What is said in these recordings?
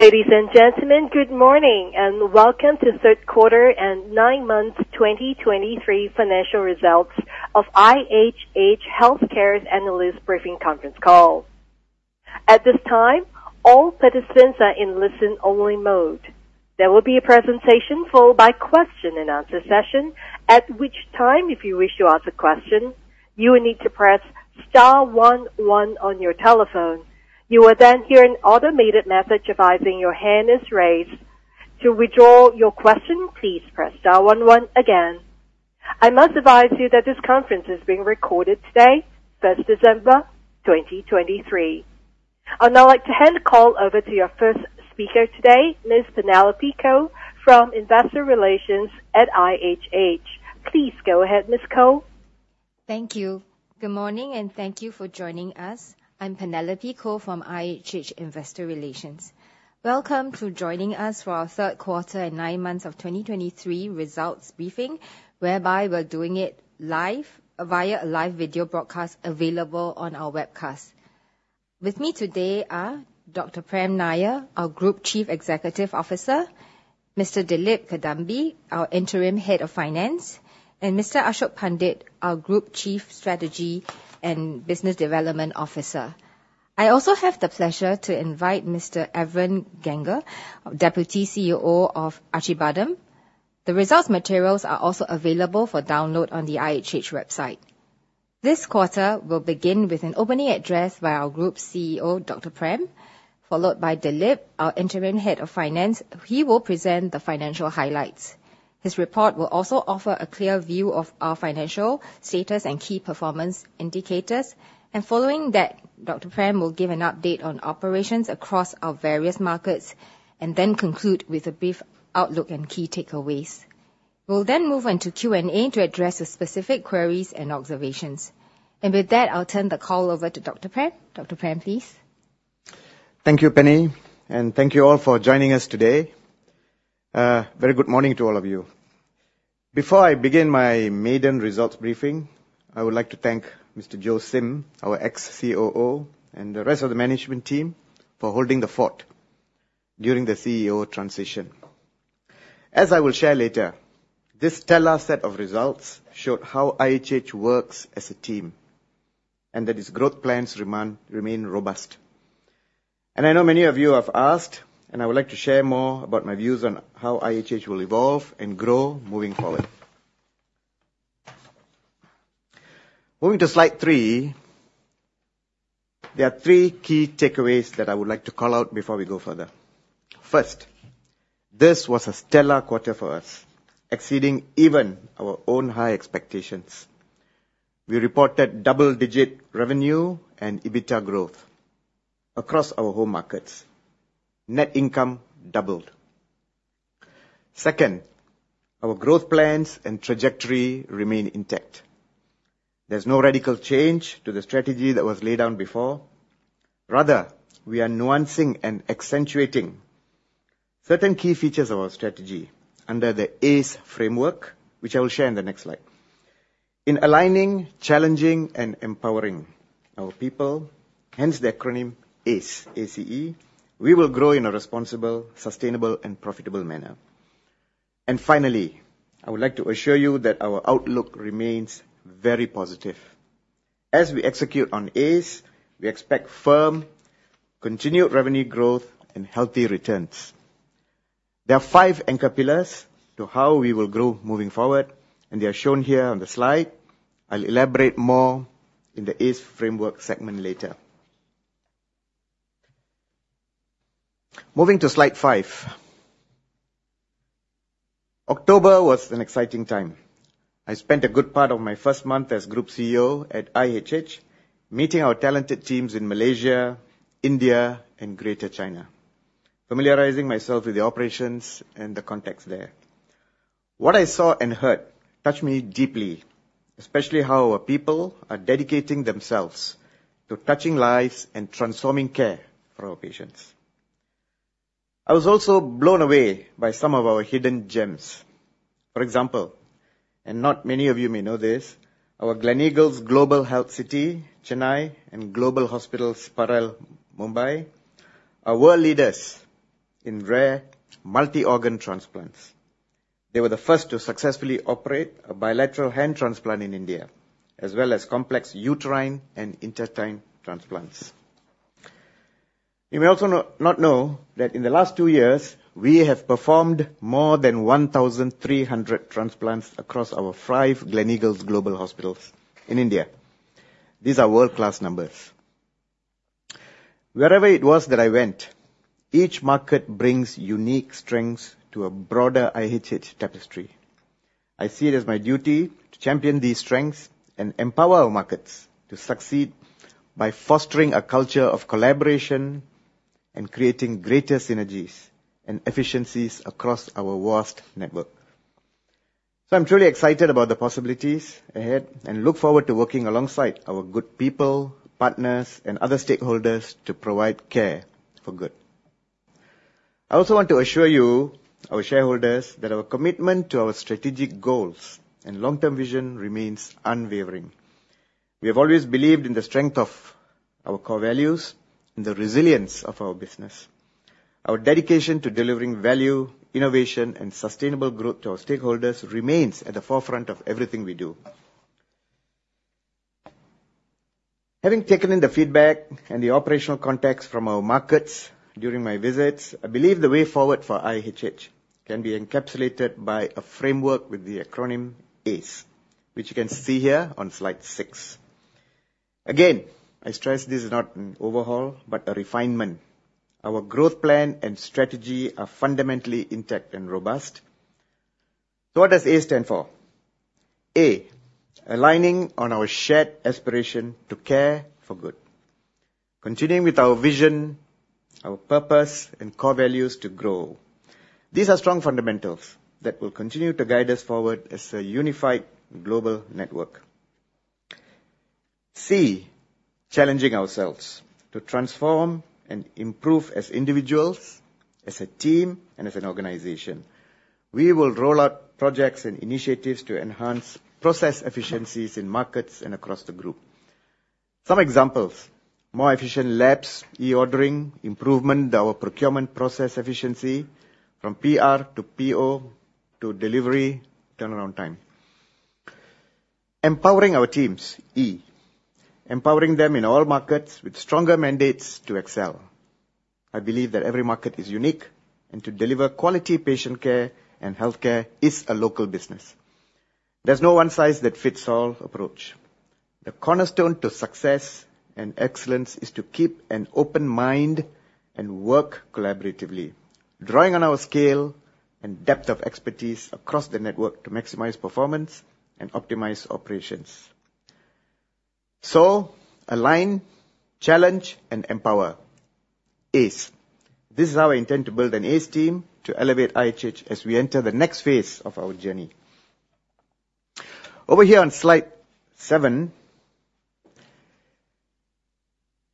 Ladies and gentlemen, good morning, and welcome to third quarter and nine months 2023 financial results of IHH Healthcare's Analyst Briefing conference call. At this time, all participants are in listen-only mode. There will be a presentation followed by question and answer session, at which time, if you wish to ask a question, you will need to press star one one on your telephone. You will then hear an automated message advising your hand is raised. To withdraw your question, please press star one one again. I must advise you that this conference is being recorded today, 1 December 2023. I'd now like to hand the call over to your first speaker today, Ms. Penelope Koh, from Investor Relations at IHH. Please go ahead, Ms. Koh. B Thank you. Good morning, and thank you for joining us. I'm Penelope Koh from IHH Investor Relations. Welcome to joining us for our third quarter and nine months of 2023 results briefing, whereby we're doing it live, via a live video broadcast available on our webcast. With me today are Dr. Prem Nair, our Group Chief Executive Officer; Mr. Dilip Kadambi, our Interim Head of Finance; and Mr. Ashok Pandit, our Group Chief Strategy and Business Development Officer. I also have the pleasure to invite Mr. Evren Ganger, Deputy CEO of Acıbadem. The results materials are also available for download on the IHH website. This quarter will begin with an opening address by our Group CEO, Dr. Prem, followed by Dilip, our Interim Head of Finance. He will present the financial highlights. His report will also offer a clear view of our financial status and key performance indicators. Following that, Dr. Prem will give an update on operations across our various markets, and then conclude with a brief outlook and key takeaways. We'll then move on to Q&A to address the specific queries and observations. With that, I'll turn the call over to Dr. Prem. Dr. Prem, please. Thank you, Penny, and thank you all for joining us today. Very good morning to all of you. Before I begin my maiden results briefing, I would like to thank Mr. Joe Sim, our ex-COO, and the rest of the management team for holding the fort during the CEO transition. As I will share later, this stellar set of results showed how IHH works as a team, and that its growth plans remain robust. And I know many of you have asked, and I would like to share more about my views on how IHH will evolve and grow moving forward. Moving to slide three, there are three key takeaways that I would like to call out before we go further. First, this was a stellar quarter for us, exceeding even our own high expectations. We reported double-digit revenue and EBITDA growth across our home markets. Net income doubled. Second, our growth plans and trajectory remain intact. There's no radical change to the strategy that was laid down before. Rather, we are nuancing and accentuating certain key features of our strategy under the ACE Framework, which I will share in the next slide. In aligning, challenging, and empowering our people, hence the acronym ACE, A-C-E, we will grow in a responsible, sustainable and profitable manner. And finally, I would like to assure you that our outlook remains very positive. As we execute on ACE, we expect firm, continued revenue growth and healthy returns. There are five anchor pillars to how we will grow moving forward, and they are shown here on the slide. I'll elaborate more in the ACE Framework segment later. Moving to slide five. October was an exciting time. I spent a good part of my first month as Group CEO at IHH, meeting our talented teams in Malaysia, India, and Greater China, familiarizing myself with the operations and the context there. What I saw and heard touched me deeply, especially how our people are dedicating themselves to touching lives and transforming care for our patients. I was also blown away by some of our hidden gems. For example, and not many of you may know this, our Gleneagles Global Health City, Chennai, and Global Hospitals Parel, Mumbai, are world leaders in rare multi-organ transplants. They were the first to successfully operate a bilateral hand transplant in India, as well as complex uterine and intestine transplants. You may also not know that in the last two years, we have performed more than 1,300 transplants across our five Gleneagles Global Hospitals in India. These are world-class numbers. Wherever it was that I went, each market brings unique strengths to a broader IHH tapestry. I see it as my duty to champion these strengths and empower our markets to succeed by fostering a culture of collaboration and creating greater synergies and efficiencies across our vast network. I'm truly excited about the possibilities ahead and look forward to working alongside our good people, partners, and other stakeholders to provide care for good. I also want to assure you, our shareholders, that our commitment to our strategic goals and long-term vision remains unwavering.... We have always believed in the strength of our core values and the resilience of our business. Our dedication to delivering value, innovation, and sustainable growth to our stakeholders remains at the forefront of everything we do. Having taken in the feedback and the operational context from our markets during my visits, I believe the way forward for IHH can be encapsulated by a framework with the acronym ACE, which you can see here on slide six. Again, I stress this is not an overhaul, but a refinement. Our growth plan and strategy are fundamentally intact and robust. So what does ACE stand for? A, aligning on our shared aspiration to care for good. Continuing with our vision, our purpose, and core values to grow. These are strong fundamentals that will continue to guide us forward as a unified global network. C, challenging ourselves to transform and improve as individuals, as a team, and as an organization. We will roll out projects and initiatives to enhance process efficiencies in markets and across the group. Some examples, more efficient labs, e-ordering, improvement our procurement process efficiency from PR to PO to delivery, turnaround time. Empowering our teams, E. Empowering them in all markets with stronger mandates to excel. I believe that every market is unique, and to deliver quality patient care and healthcare is a local business. There's no one-size-fits-all approach. The cornerstone to success and excellence is to keep an open mind and work collaboratively, drawing on our scale and depth of expertise across the network to maximize performance and optimize operations. So align, challenge, and empower, ACE. This is how I intend to build an ACE team to elevate IHH as we enter the next phase of our journey. Over here on slide seven,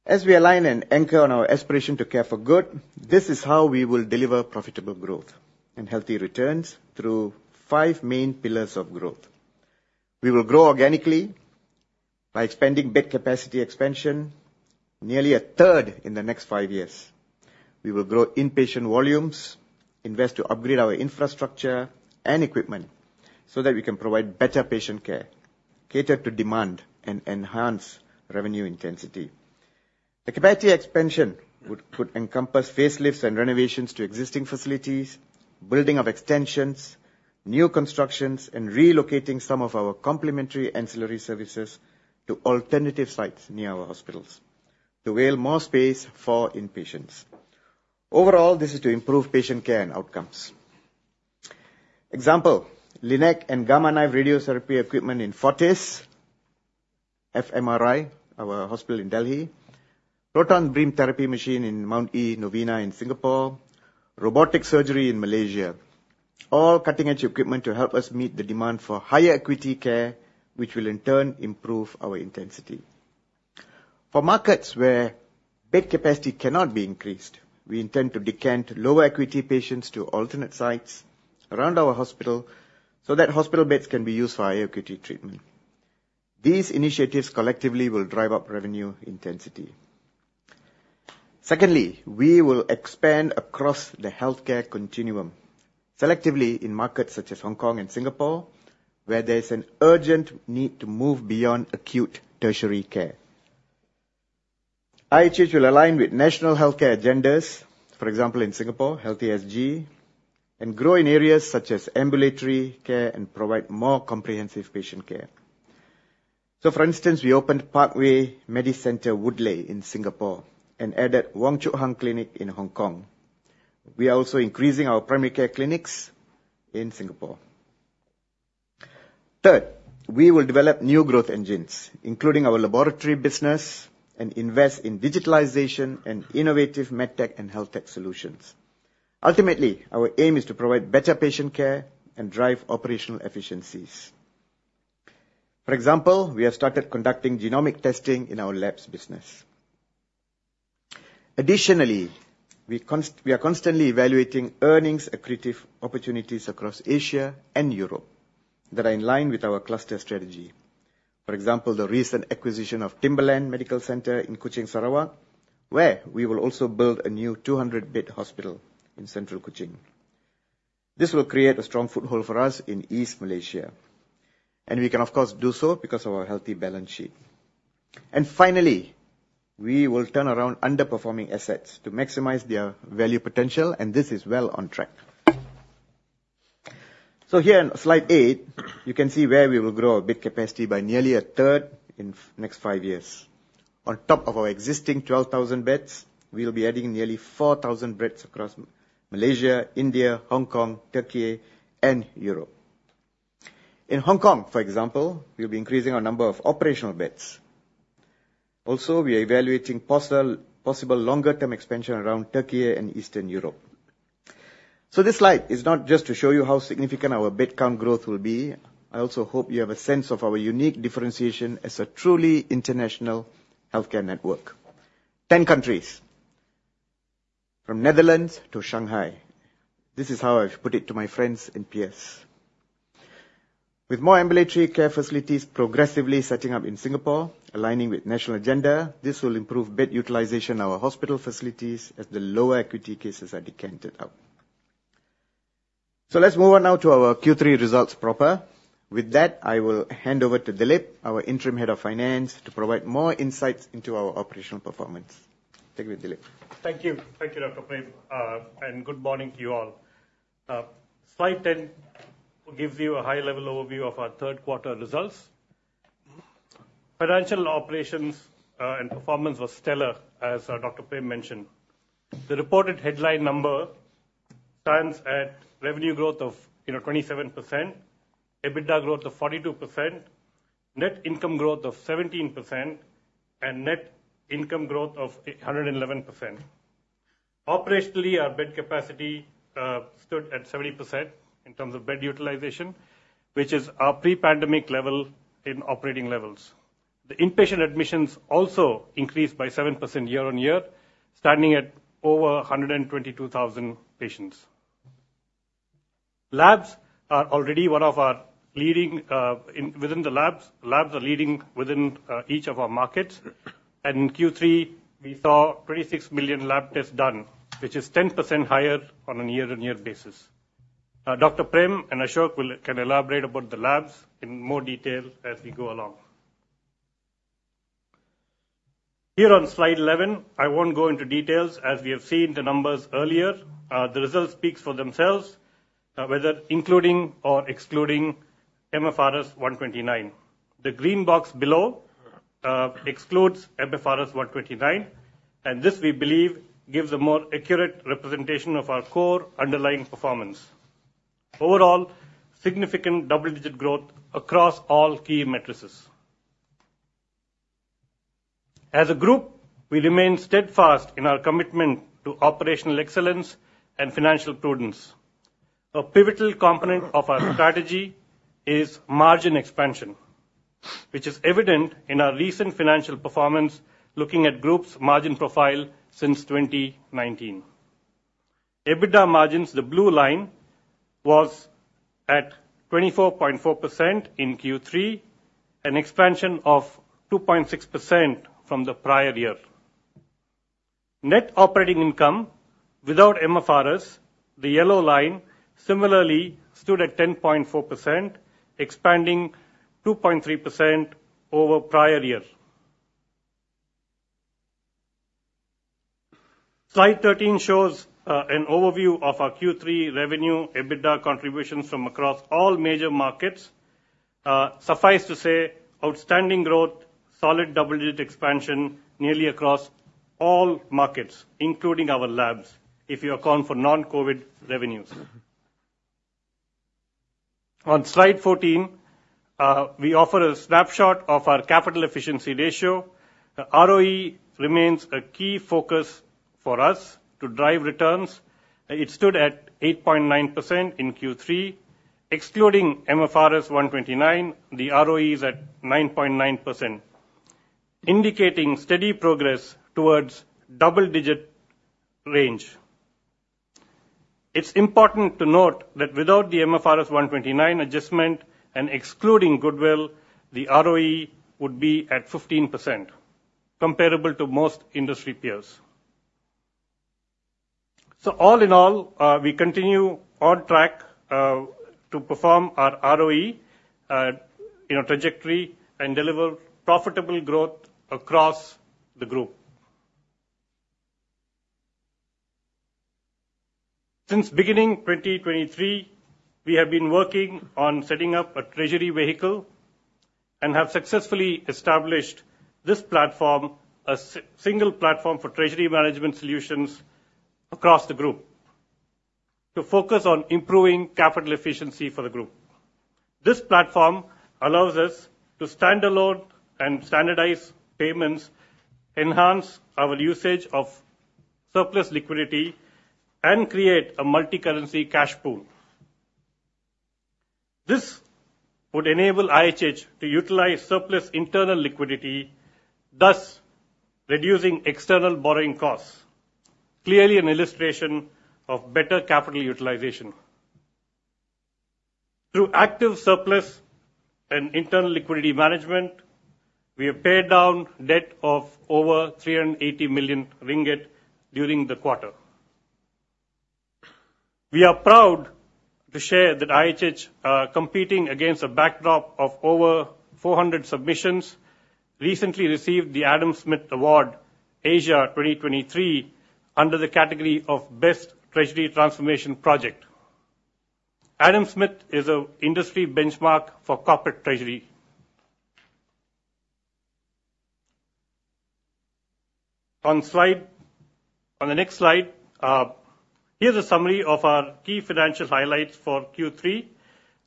as we align and anchor on our aspiration to care for good, this is how we will deliver profitable growth and healthy returns through five main pillars of growth. We will grow organically by expanding bed capacity expansion, nearly a third in the next five years. We will grow inpatient volumes, invest to upgrade our infrastructure and equipment, so that we can provide better patient care, cater to demand, and enhance revenue intensity. The capacity expansion would, could encompass facelifts and renovations to existing facilities, building of extensions, new constructions, and relocating some of our complementary ancillary services to alternative sites near our hospitals to avail more space for inpatients. Overall, this is to improve patient care and outcomes. Example, LINAC and Gamma Knife radiotherapy equipment in Fortis FMRI, our hospital in Delhi, Proton Beam Therapy machine in Mount E Novena in Singapore, robotic surgery in Malaysia. All cutting-edge equipment to help us meet the demand for higher acuity care, which will in turn improve our intensity. For markets where bed capacity cannot be increased, we intend to decant lower acuity patients to alternate sites around our hospital so that hospital beds can be used for higher acuity treatment. These initiatives collectively will drive up revenue intensity. Secondly, we will expand across the healthcare continuum, selectively in markets such as Hong Kong and Singapore, where there's an urgent need to move beyond acute tertiary care. IHH will align with national healthcare agendas, for example, in Singapore, Healthy SG, and grow in areas such as ambulatory care and provide more comprehensive patient care. So for instance, we opened Parkway MediCentre Woodleigh in Singapore and added Wong Chuk Hang Clinic in Hong Kong. We are also increasing our primary care clinics in Singapore. Third, we will develop new growth engines, including our laboratory business, and invest in digitalization and innovative med tech and health tech solutions. Ultimately, our aim is to provide better patient care and drive operational efficiencies. For example, we have started conducting genomic testing in our labs business. Additionally, we are constantly evaluating earnings, accretive opportunities across Asia and Europe that are in line with our cluster strategy. For example, the recent acquisition of Timberland Medical Centre in Kuching, Sarawak, where we will also build a new 200-bed hospital in central Kuching. This will create a strong foothold for us in East Malaysia, and we can, of course, do so because of our healthy balance sheet. Finally, we will turn around underperforming assets to maximize their value potential, and this is well on track. So here on slide eight, you can see where we will grow our bed capacity by nearly a third in next five years. On top of our existing 12,000 beds, we'll be adding nearly 4,000 beds across Malaysia, India, Hong Kong, Türkiye, and Europe. In Hong Kong, for example, we'll be increasing our number of operational beds. Also, we are evaluating possible longer-term expansion around Türkiye and Eastern Europe. So this slide is not just to show you how significant our bed count growth will be. I also hope you have a sense of our unique differentiation as a truly international healthcare network. 10 countries... From Netherlands to Shanghai. This is how I've put it to my friends in PS. With more ambulatory care facilities progressively setting up in Singapore, aligning with national agenda, this will improve bed utilization in our hospital facilities as the lower acuity cases are decanted out. So let's move on now to our Q3 results proper. With that, I will hand over to Dilip, our Interim Head of Finance, to provide more insights into our operational performance. Take it, Dilip. Thank you. Thank you, Dr. Prem, and good morning to you all. Slide 10 will give you a high-level overview of our third quarter results. Financial operations and performance were stellar, as Dr. Prem mentioned. The reported headline number stands at revenue growth of, you know, 27%, EBITDA growth of 42%, net income growth of 17%, and net income growth of 111%. Operationally, our bed capacity stood at 70% in terms of bed utilization, which is our pre-pandemic level in operating levels. The inpatient admissions also increased by 7% year-on-year, standing at over 122,000 patients. Labs are already one of our leading within the labs. Labs are leading within each of our markets. In Q3, we saw 26 million lab tests done, which is 10% higher on a year-on-year basis. Dr. Prem and Ashok can elaborate about the labs in more detail as we go along. Here on slide 11, I won't go into details as we have seen the numbers earlier. The results speak for themselves, whether including or excluding MFRS 129. The green box below excludes MFRS 129, and this, we believe, gives a more accurate representation of our core underlying performance. Overall, significant double-digit growth across all key metrics. As a group, we remain steadfast in our commitment to operational excellence and financial prudence. A pivotal component of our strategy is margin expansion, which is evident in our recent financial performance, looking at group's margin profile since 2019. EBITDA margins, the blue line, was at 24.4% in Q3, an expansion of 2.6% from the prior-year. Net operating income without MFRS, the yellow line, similarly stood at 10.4%, expanding 2.3% over prior-year. Slide 13 shows an overview of our Q3 revenue, EBITDA contributions from across all major markets. Suffice to say, outstanding growth, solid double-digit expansion, nearly across all markets, including our labs, if you account for non-COVID revenues. On Slide 14, we offer a snapshot of our capital efficiency ratio. ROE remains a key focus for us to drive returns. It stood at 8.9% in Q3. Excluding MFRS 129, the ROE is at 9.9%, indicating steady progress towards double-digit range. It's important to note that without the MFRS 129 adjustment and excluding goodwill, the ROE would be at 15%, comparable to most industry peers. So all in all, we continue on track to perform our ROE, you know, trajectory and deliver profitable growth across the group. Since beginning 2023, we have been working on setting up a treasury vehicle and have successfully established this platform, a single platform for treasury management solutions across the group, to focus on improving capital efficiency for the group. This platform allows us to stand alone and standardize payments, enhance our usage of surplus liquidity, and create a multicurrency cash pool. This would enable IHH to utilize surplus internal liquidity, thus reducing external borrowing costs. Clearly an illustration of better capital utilization. Through active surplus and internal liquidity management, we have paid down debt of over 380 million ringgit during the quarter. We are proud to share that IHH, competing against a backdrop of over 400 submissions, recently received the Adam Smith Award, Asia 2023, under the category of Best Treasury Transformation Project. Adam Smith is an industry benchmark for corporate treasury. On the next slide, here's a summary of our key financial highlights for Q3.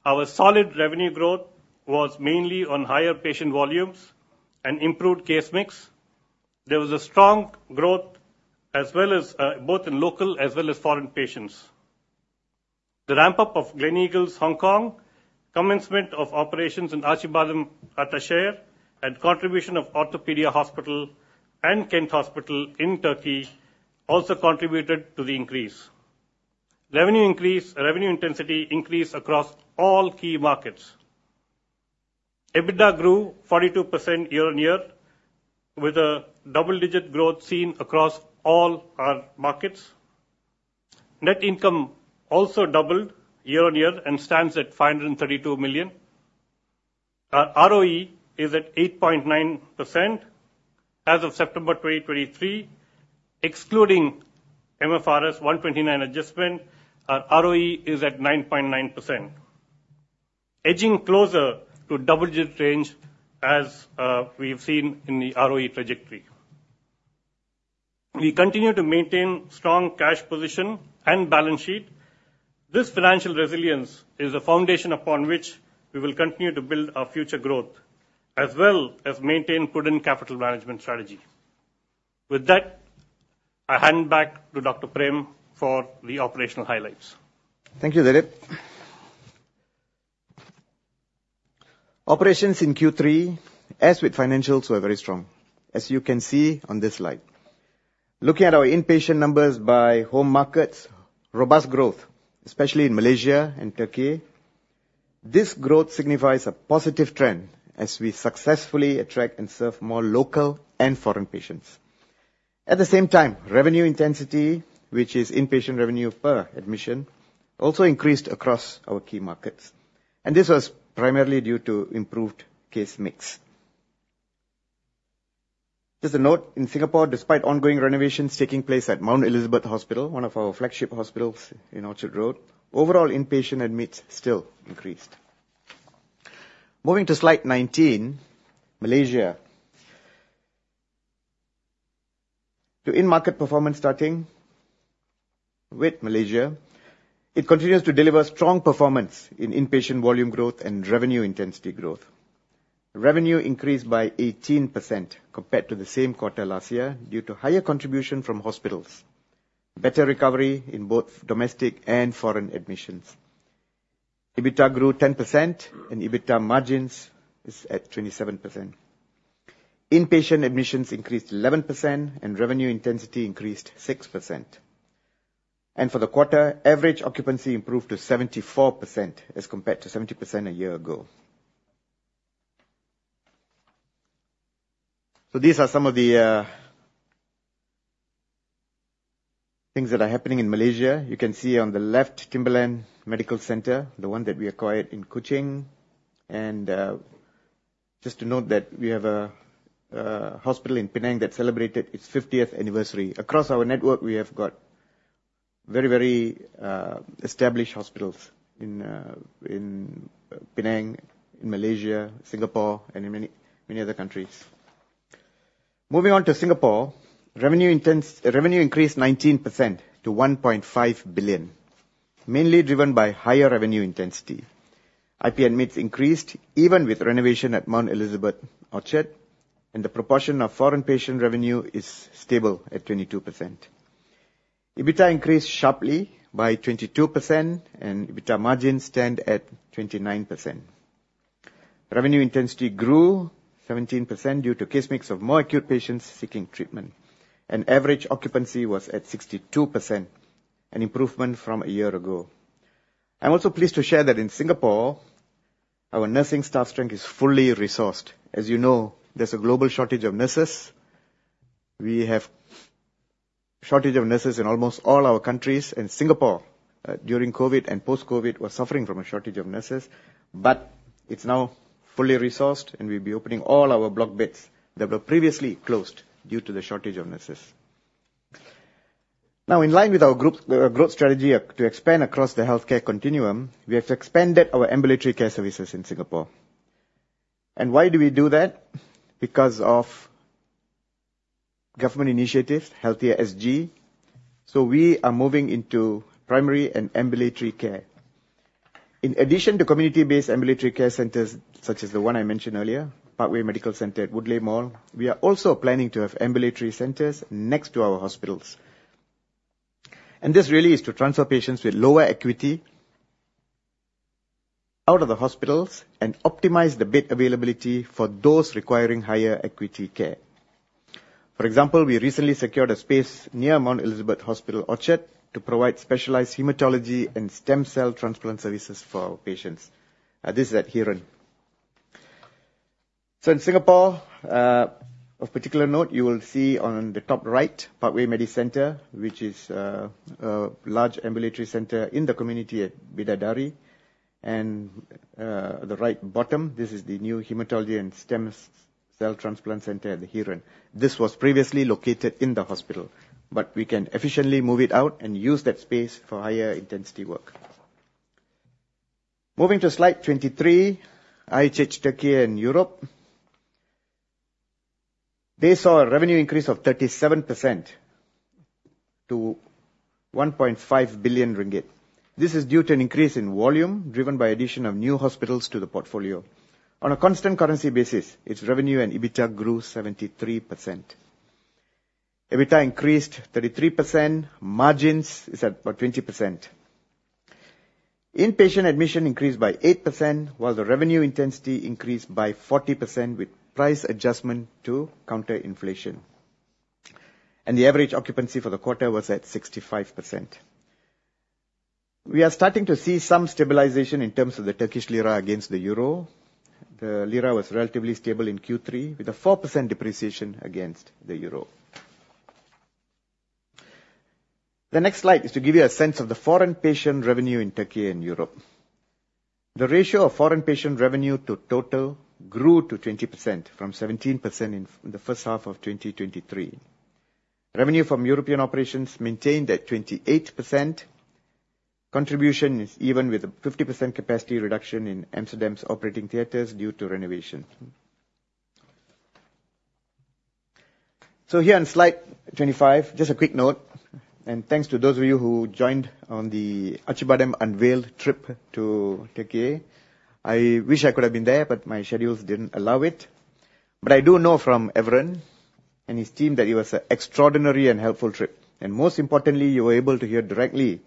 Our solid revenue growth was mainly on higher patient volumes and improved case mix. There was a strong growth as well as both in local as well as foreign patients.... The ramp-up of Gleneagles Hong Kong, commencement of operations in Acıbadem Ataşehir, and contribution of Ortopedia Hospital and Kent Hospital in Turkey also contributed to the increase. Revenue increase, revenue intensity increased across all key markets. EBITDA grew 42% year-on-year, with a double-digit growth seen across all our markets. Net income also doubled year-on-year and stands at 532 million. Our ROE is at 8.9% as of September 2023. Excluding MFRS 129 adjustment, our ROE is at 9.9%, edging closer to double-digit range as we've seen in the ROE trajectory. We continue to maintain strong cash position and balance sheet. This financial resilience is a foundation upon which we will continue to build our future growth, as well as maintain prudent capital management strategy. With that, I hand back to Dr Prem for the operational highlights. Thank you, Dilip. Operations in Q3, as with financials, were very strong, as you can see on this slide. Looking at our inpatient numbers by home markets, robust growth, especially in Malaysia and Turkey. This growth signifies a positive trend as we successfully attract and serve more local and foreign patients. At the same time, revenue intensity, which is inpatient revenue per admission, also increased across our key markets, and this was primarily due to improved case mix. Just a note, in Singapore, despite ongoing renovations taking place at Mount Elizabeth Hospital, one of our flagship hospitals in Orchard Road, overall inpatient admits still increased. Moving to slide 19, Malaysia. So in-market performance, starting with Malaysia, it continues to deliver strong performance in inpatient volume growth and revenue intensity growth. Revenue increased by 18% compared to the same quarter last year, due to higher contribution from hospitals, better recovery in both domestic and foreign admissions. EBITDA grew 10%, and EBITDA margins is at 27%. Inpatient admissions increased 11%, and revenue intensity increased 6%. And for the quarter, average occupancy improved to 74%, as compared to 70% a year ago. So these are some of the things that are happening in Malaysia. You can see on the left, Timberland Medical Centre, the one that we acquired in Kuching. And just to note that we have a hospital in Penang that celebrated its 50th anniversary. Across our network, we have got very, very established hospitals in Penang, in Malaysia, Singapore, and in many, many other countries. Moving on to Singapore, revenue increased 19% to 1.5 billion, mainly driven by higher revenue intensity. IP admits increased even with renovation at Mount Elizabeth Orchard, and the proportion of foreign patient revenue is stable at 22%. EBITDA increased sharply by 22%, and EBITDA margins stand at 29%. Revenue intensity grew 17% due to case mix of more acute patients seeking treatment, and average occupancy was at 62%, an improvement from a year ago. I'm also pleased to share that in Singapore, our nursing staff strength is fully resourced. As you know, there's a global shortage of nurses. We have shortage of nurses in almost all our countries. In Singapore, during COVID and post-COVID, we're suffering from a shortage of nurses, but it's now fully resourced, and we'll be opening all our block beds that were previously closed due to the shortage of nurses. Now, in line with our group growth strategy to expand across the healthcare continuum, we have expanded our ambulatory care services in Singapore. Why do we do that? Because of government initiative, Healthy SG. So we are moving into primary and ambulatory care. In addition to community-based ambulatory care centers, such as the one I mentioned earlier, Parkway MediCentre Woodleigh, we are also planning to have ambulatory centers next to our hospitals. This really is to transfer patients with lower acuity out of the hospitals and optimize the bed availability for those requiring higher acuity care. For example, we recently secured a space near Mount Elizabeth Hospital, Orchard, to provide specialized hematology and stem cell transplant services for our patients, and this is at Heron. So in Singapore, of particular note, you will see on the top right, Parkway MediCentre, which is, a large ambulatory center in the community at Bidadari. And, the right bottom, this is the new Hematology and Stem Cell Transplant Center at the Heron. This was previously located in the hospital, but we can efficiently move it out and use that space for higher intensity work. Moving to slide 23, IHH Turkey and Europe. They saw a revenue increase of 37% to 1.5 billion ringgit. This is due to an increase in volume, driven by addition of new hospitals to the portfolio. On a constant currency basis, its revenue and EBITDA grew 73%.... EBITDA increased 33%, margins is at about 20%. Inpatient admission increased by 8%, while the revenue intensity increased by 40%, with price adjustment to counter inflation. The average occupancy for the quarter was at 65%. We are starting to see some stabilization in terms of the Turkish lira against the euro. The lira was relatively stable in Q3, with a 4% depreciation against the euro. The next slide is to give you a sense of the foreign patient revenue in Turkey and Europe. The ratio of foreign patient revenue to total grew to 20% from 17% in the first half of 2023. Revenue from European operations maintained at 28%. Contribution is even with a 50% capacity reduction in Amsterdam's operating theaters due to renovation. So here on slide 25, just a quick note, and thanks to those of you who joined on the Acıbadem Unveiled trip to Turkey. I wish I could have been there, but my schedules didn't allow it. But I do know from Evren and his team that it was an extraordinary and helpful trip, and most importantly, you were able to hear directly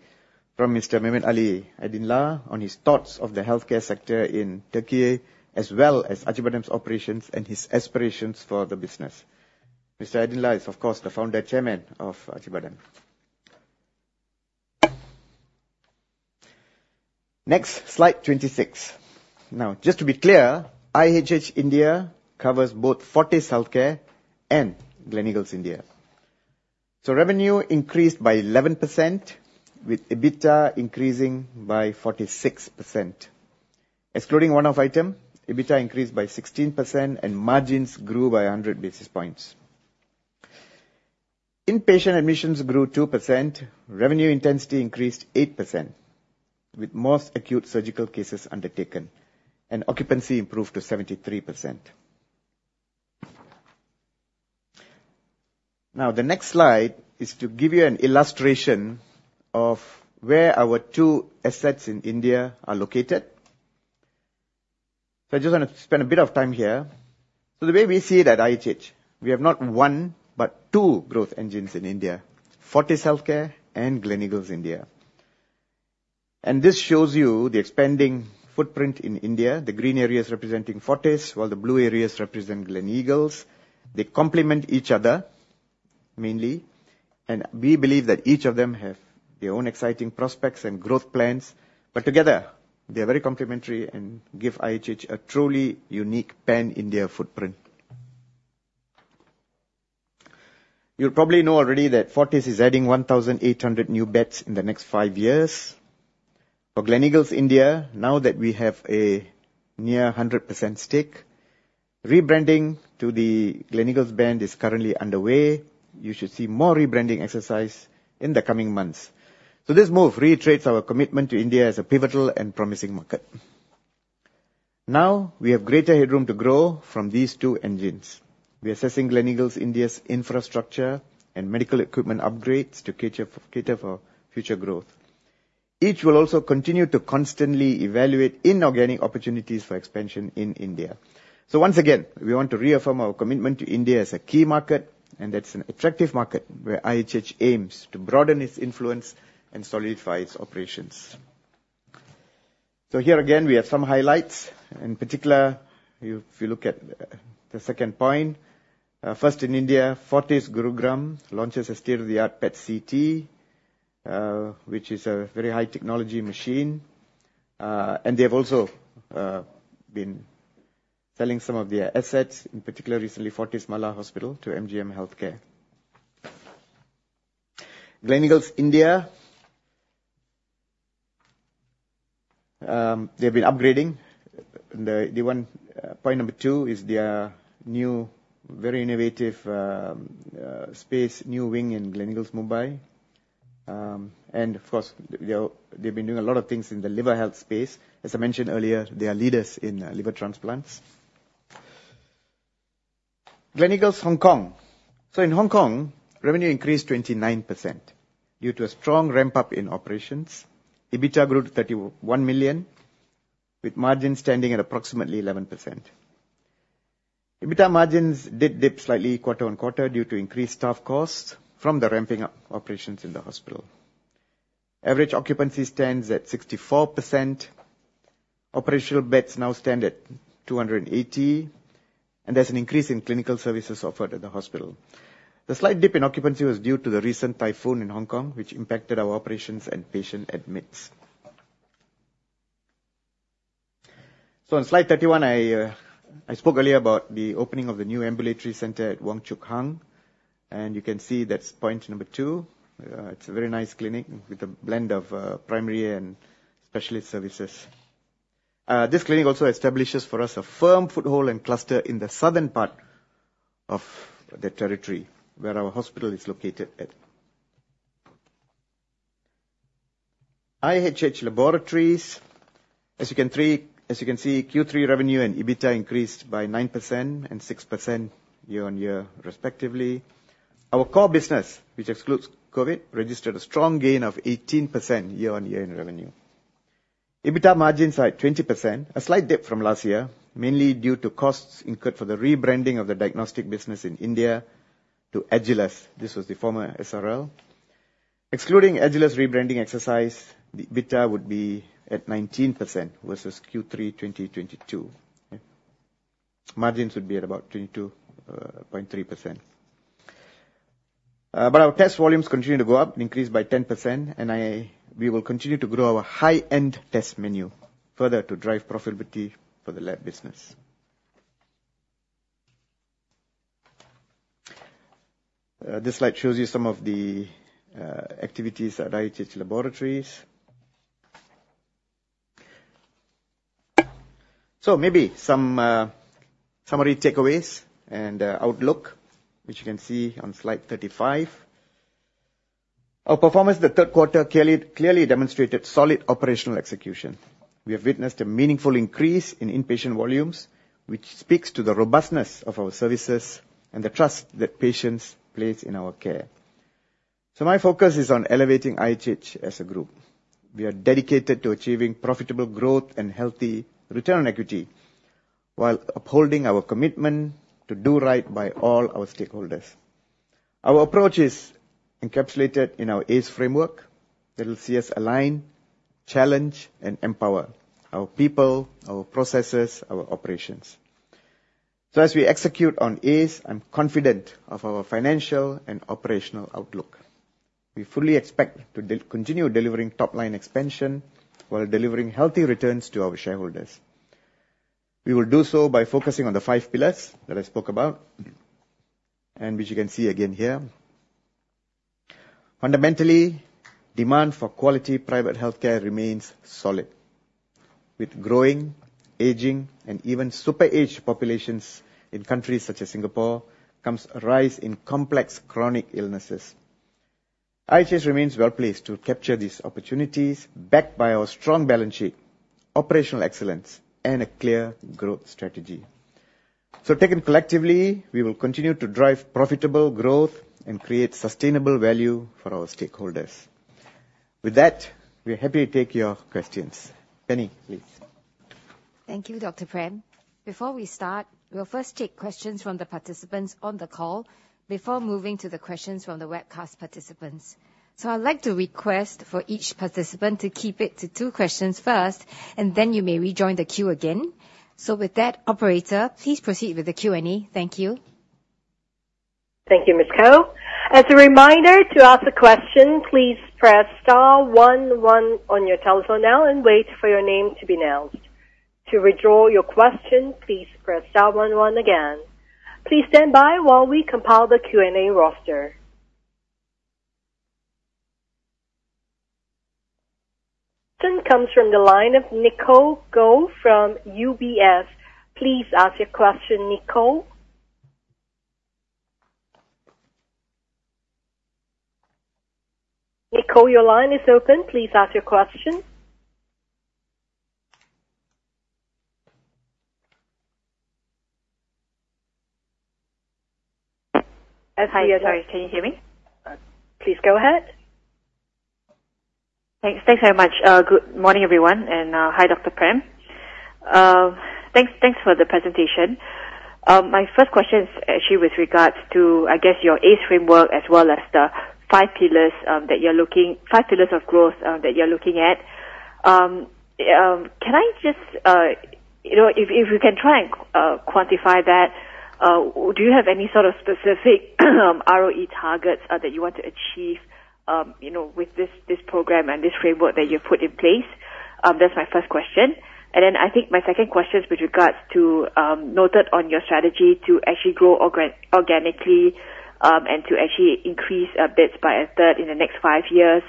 from Mr. Mehmet Ali Aydınlar on his thoughts of the healthcare sector in Turkey, as well as Acıbadem's operations and his aspirations for the business. Mr. Aydınlar is, of course, the founder and chairman of Acıbadem. Next, slide 26. Now, just to be clear, IHH India covers both Fortis Healthcare and Gleneagles India. So revenue increased by 11%, with EBITDA increased by 46%. Excluding one-off item, EBITDA increased by 16%, and margins grew by 100 basis points. Inpatient admissions grew 2%, revenue intensity increased 8%, with most acute surgical cases undertaken, and occupancy improved to 73%. Now, the next slide is to give you an illustration of where our two assets in India are located. So I just want to spend a bit of time here. So the way we see it at IHH, we have not 1, but 2 growth engines in India: Fortis Healthcare and Gleneagles India. And this shows you the expanding footprint in India, the green areas representing Fortis, while the blue areas represent Gleneagles. They complement each other, mainly, and we believe that each of them have their own exciting prospects and growth plans, but together, they are very complementary and give IHH a truly unique pan-India footprint. You probably know already that Fortis is adding 1,800 new beds in the next five years. For Gleneagles India, now that we have a near 100% stake, rebranding to the Gleneagles brand is currently underway. You should see more rebranding exercise in the coming months. This move reiterates our commitment to India as a pivotal and promising market. Now, we have greater headroom to grow from these two engines. We are assessing Gleneagles India's infrastructure and medical equipment upgrades to cater for future growth. We will also continue to constantly evaluate inorganic opportunities for expansion in India. Once again, we want to reaffirm our commitment to India as a key market, and that's an attractive market where IHH aims to broaden its influence and solidify its operations. Here again, we have some highlights. In particular, if you look at the second point, first in India, Fortis Gurugram launches a state-of-the-art PET/CT, which is a very high technology machine. And they have also been selling some of their assets, in particular, recently, Fortis Malar Hospital to MGM Healthcare. Gleneagles India, they've been upgrading. The, the one- point number two is their new, very innovative, space, new wing in Gleneagles Mumbai. And of course, they've been doing a lot of things in the liver health space. As I mentioned earlier, they are leaders in, liver transplants. Gleneagles Hong Kong. So in Hong Kong, revenue increased 29% due to a strong ramp-up in operations. EBITDA grew to 31 million, with margins standing at approximately 11%. EBITDA margins did dip slightly quarter-on-quarter due to increased staff costs from the ramping up operations in the hospital. Average occupancy stands at 64%. Operational beds now stand at 280, and there's an increase in clinical services offered at the hospital. The slight dip in occupancy was due to the recent typhoon in Hong Kong, which impacted our operations and patient admits. So on slide 31, I, I spoke earlier about the opening of the new ambulatory center at Wong Chuk Hang, and you can see that's point number two. It's a very nice clinic with a blend of primary and specialist services. This clinic also establishes for us a firm foothold and cluster in the southern part of the territory, where our hospital is located at. IHH Laboratories, as you can see, Q3 revenue and EBITDA increased by 9% and 6% year-on-year, respectively. Our core business, which excludes COVID, registered a strong gain of 18% year-on-year in revenue. EBITDA margins are at 20%, a slight dip from last year, mainly due to costs incurred for the rebranding of the diagnostic business in India to Agilus. This was the former SRL. Excluding Agilus rebranding exercise, the EBITDA would be at 19% versus Q3-2022, okay? Margins would be at about 22.3%. But our test volumes continue to go up, increased by 10%, and we will continue to grow our high-end test menu, further to drive profitability for the lab business. This slide shows you some of the activities at IHH Laboratories. So maybe some summary takeaways and outlook, which you can see on slide 35. Our performance in the third quarter clearly, clearly demonstrated solid operational execution. We have witnessed a meaningful increase in inpatient volumes, which speaks to the robustness of our services and the trust that patients place in our care. So my focus is on elevating IHH as a group. We are dedicated to achieving profitable growth and healthy return on equity, while upholding our commitment to do right by all our stakeholders. Our approach is encapsulated in our ACE Framework. It'll see us align, challenge, and empower our people, our processes, our operations. So as we execute on ACE, I'm confident of our financial and operational outlook. We fully expect to continue delivering top-line expansion while delivering healthy returns to our shareholders. We will do so by focusing on the five pillars that I spoke about, and which you can see again here. Fundamentally, demand for quality private healthcare remains solid. With growing, aging, and even super aged populations in countries such as Singapore, comes a rise in complex chronic illnesses. IHH remains well-placed to capture these opportunities, backed by our strong balance sheet, operational excellence, and a clear growth strategy. So taken collectively, we will continue to drive profitable growth and create sustainable value for our stakeholders. With that, we're happy to take your questions. Penny, please. Thank you, Dr. Prem. Before we start, we'll first take questions from the participants on the call before moving to the questions from the webcast participants. So I'd like to request for each participant to keep it to two questions first, and then you may rejoin the queue again. So with that, operator, please proceed with the Q&A. Thank you. Thank you, Ms. Koh. As a reminder, to ask a question, please press star one one on your telephone now and wait for your name to be announced. To withdraw your question, please press star one one again. Please stand by while we compile the Q&A roster. Question comes from the line of Nicole Goh from UBS. Please ask your question, Nicole. Nicole, your line is open. Please ask your question. Hi, sorry, can you hear me? Please go ahead. Thanks. Thanks very much. Good morning, everyone, and hi, Dr. Prem. Thanks, thanks for the presentation. My first question is actually with regards to, I guess, your ACE Framework, as well as the five pillars, five pillars of growth, that you're looking at. Can I just... You know, if, if you can try and quantify that, do you have any sort of specific ROE targets that you want to achieve, you know, with this, this program and this framework that you've put in place? That's my first question. And then I think my second question is with regards to, noted on your strategy to actually grow organically, and to actually increase beds by a third in the next five years.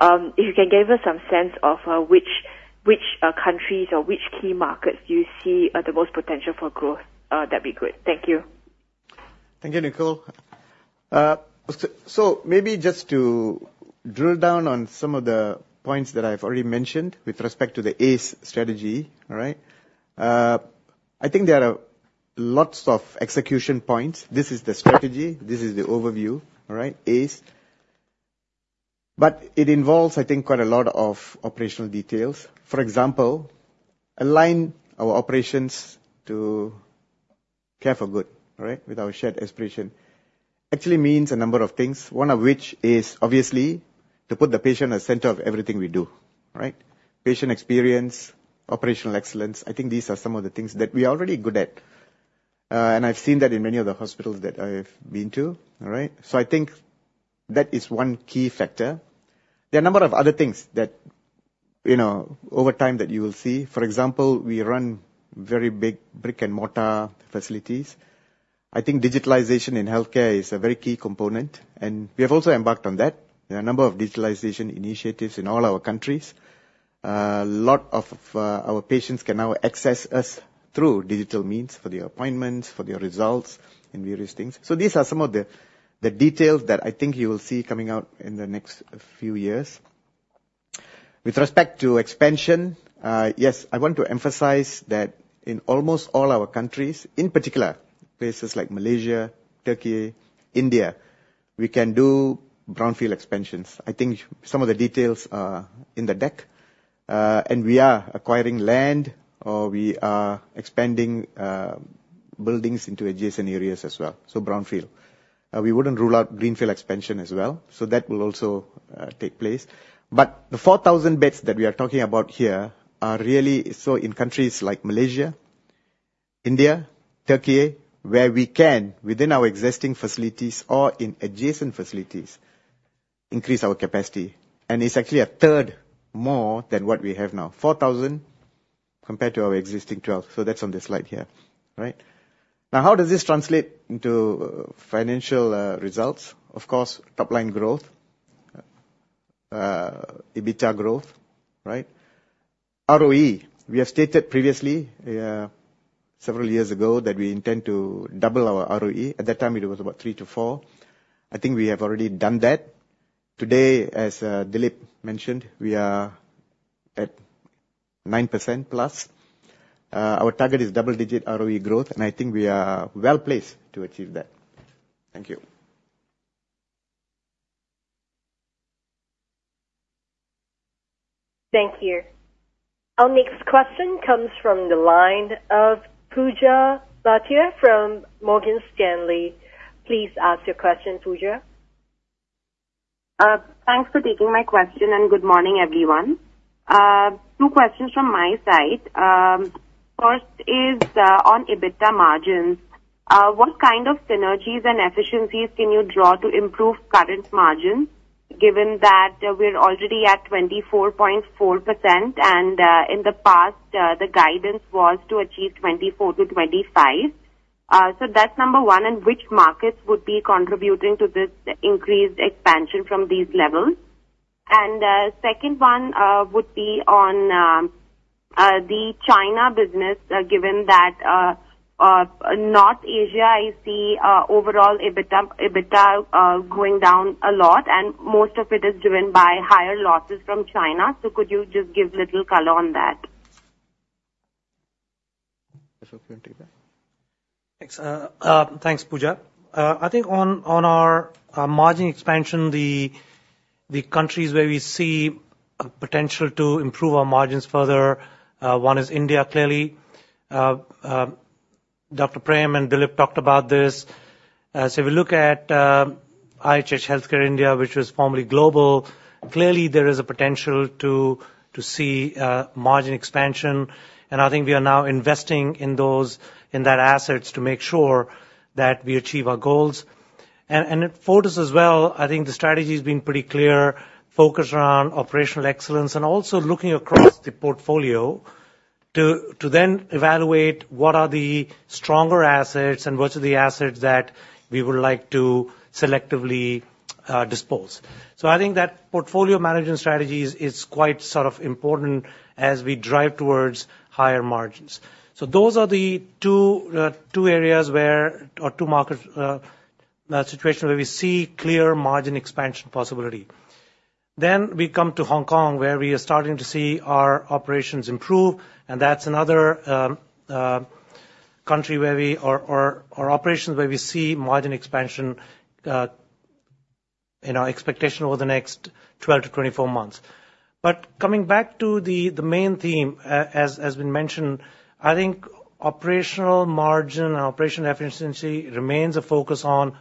If you can give us some sense of which countries or which key markets you see the most potential for growth, that'd be good. Thank you. Thank you, Nicole. So, so maybe just to drill down on some of the points that I've already mentioned with respect to the ACE strategy, all right? I think there are lots of execution points. This is the strategy. This is the overview, all right? ACE. But it involves, I think, quite a lot of operational details. For example, align our operations to care for good, all right, with our shared aspiration. Actually means a number of things, one of which is obviously to put the patient at the center of everything we do, all right? Patient experience, operational excellence, I think these are some of the things that we are already good at, and I've seen that in many of the hospitals that I've been to, all right? So I think that is one key factor. There are a number of other things that, you know, over time, that you will see. For example, we run very big brick-and-mortar facilities. I think digitalization in healthcare is a very key component, and we have also embarked on that. There are a number of digitalization initiatives in all our countries. A lot of our patients can now access us through digital means for their appointments, for their results, and various things. So these are some of the details that I think you will see coming out in the next few years. With respect to expansion, yes, I want to emphasize that in almost all our countries, in particular, places like Malaysia, Turkey, India, we can do Brownfield expansions. I think some of the details are in the deck, and we are acquiring land, or we are expanding buildings into adjacent areas as well, so brownfield. We wouldn't rule out greenfield expansion as well, so that will also take place. But the 4,000 beds that we are talking about here are really so in countries like Malaysia, India, Turkey, where we can, within our existing facilities or in adjacent facilities, increase our capacity. And it's actually a third more than what we have now. 4,000 compared to our existing 12, so that's on the slide here. Right? Now, how does this translate into financial results? Of course, top line growth, EBITDA growth, right? ROE, we have stated previously, several years ago, that we intend to double our ROE. At that time it was about 3-4. I think we have already done that. Today, as Dilip mentioned, we are at 9%+. Our target is double-digit ROE growth, and I think we are well-placed to achieve that. Thank you. Thank you. Our next question comes from the line of Pooja Bhatia from Morgan Stanley. Please ask your question, Pooja. Thanks for taking my question, and good morning, everyone. Two questions from my side. First is on EBITDA margins. What kind of synergies and efficiencies can you draw to improve current margins, given that we're already at 24.4%, and in the past the guidance was to achieve 24%-25%? So that's number one, and which markets would be contributing to this increased expansion from these levels? Second one would be on the China business, given that North Asia, I see, overall EBITDA going down a lot, and most of it is driven by higher losses from China. So could you just give a little color on that? Ashok, take that. Thanks, thanks, Pooja. I think on our margin expansion, the countries where we see a potential to improve our margins further, one is India, clearly. Dr Prem and Dilip talked about this. So if we look at IHH Healthcare India, which was formerly Global, clearly there is a potential to see margin expansion, and I think we are now investing in those, in that assets to make sure that we achieve our goals. And at Fortis as well, I think the strategy has been pretty clear, focused around operational excellence and also looking across the portfolio to then evaluate what are the stronger assets and what are the assets that we would like to selectively dispose. So I think that portfolio management strategy is quite sort of important as we drive towards higher margins. So those are the two areas where or two market situations where we see clear margin expansion possibility. Then we come to Hong Kong, where we are starting to see our operations improve, and that's another country where we or operations where we see margin expansion in our expectation over the next 12-24 months. But coming back to the main theme, as has been mentioned, I think operational margin and operational efficiency remains a focus on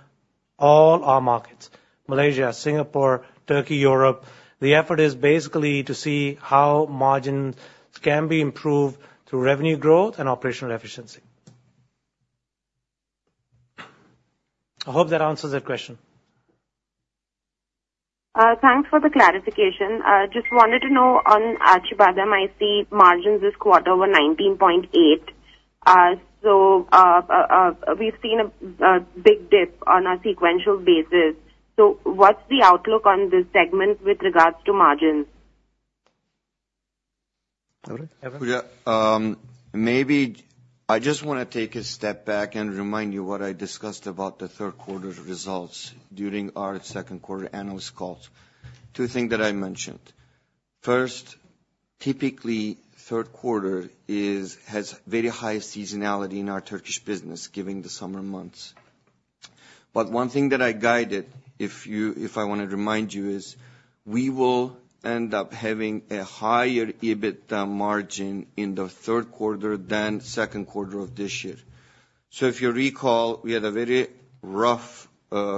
all our markets, Malaysia, Singapore, Turkey, Europe. The effort is basically to see how margins can be improved through revenue growth and operational efficiency. I hope that answers your question. Thanks for the clarification. I just wanted to know on Acıbadem. I see margins this quarter were 19.8%. We've seen a big dip on a sequential basis. What's the outlook on this segment with regards to margins? Dilip, Evren? Yeah, maybe I just want to take a step back and remind you what I discussed about the third quarter's results during our second quarter analyst call. Two thing that I mentioned: First, typically, third quarter is, has very high seasonality in our Turkish business, given the summer months. But one thing that I guided, if you, if I want to remind you, is we will end up having a higher EBITDA margin in the third quarter than second quarter of this year. So if you recall, we had a very rough,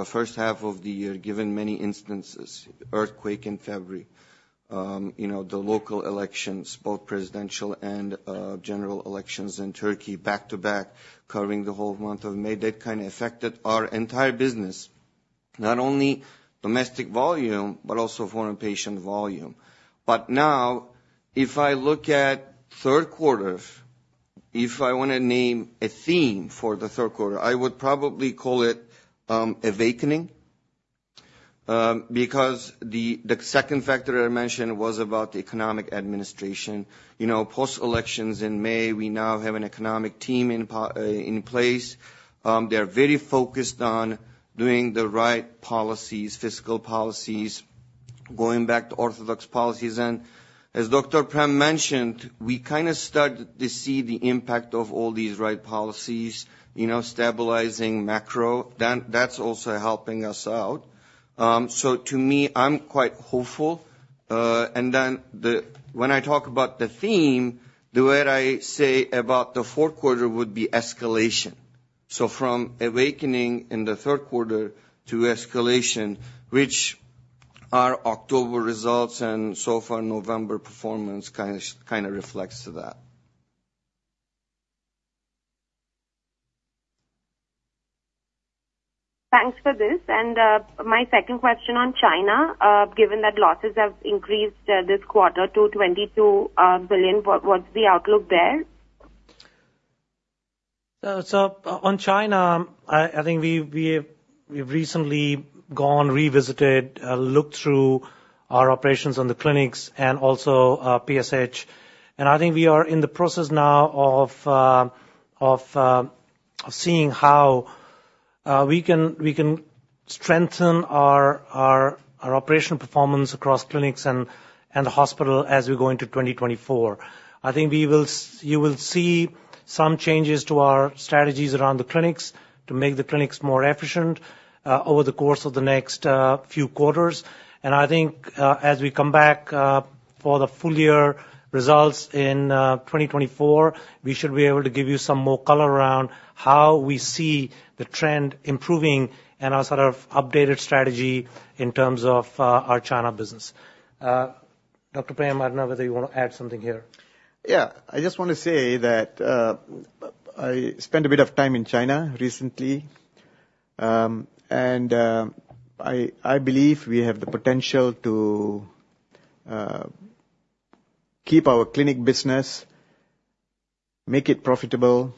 first half of the year, given many instances, earthquake in February, you know, the local elections, both presidential and, general elections in Turkey, back-to-back, covering the whole month of May. That kind of affected our entire business, not only domestic volume, but also foreign patient volume. But now, if I look at third quarter, if I want to name a theme for the third quarter, I would probably call it, awakening. Because the second factor I mentioned was about the economic administration. You know, post-elections in May, we now have an economic team in place. They are very focused on doing the right policies, fiscal policies-... going back to orthodox policies. And as Dr. Prem mentioned, we kind of started to see the impact of all these right policies, you know, stabilizing macro. Then that's also helping us out. So to me, I'm quite hopeful. And then the, when I talk about the theme, the word I say about the fourth quarter would be escalation. So from awakening in the third quarter to escalation, which our October results and so far November performance kind of, kind of reflects to that. Thanks for this. My second question on China, given that losses have increased this quarter to 22 billion, what's the outlook there? So on China, I think we've recently revisited, looked through our operations on the clinics and also, PSH. And I think we are in the process now of seeing how we can strengthen our operational performance across clinics and the hospital as we go into 2024. I think you will see some changes to our strategies around the clinics, to make the clinics more efficient, over the course of the next few quarters. And I think, as we come back, for the full-year results in 2024, we should be able to give you some more color around how we see the trend improving and our sort of updated strategy in terms of our China business. Dr. Prem, I don't know whether you want to add something here. Yeah. I just want to say that, I spent a bit of time in China recently, and I believe we have the potential to keep our clinic business, make it profitable,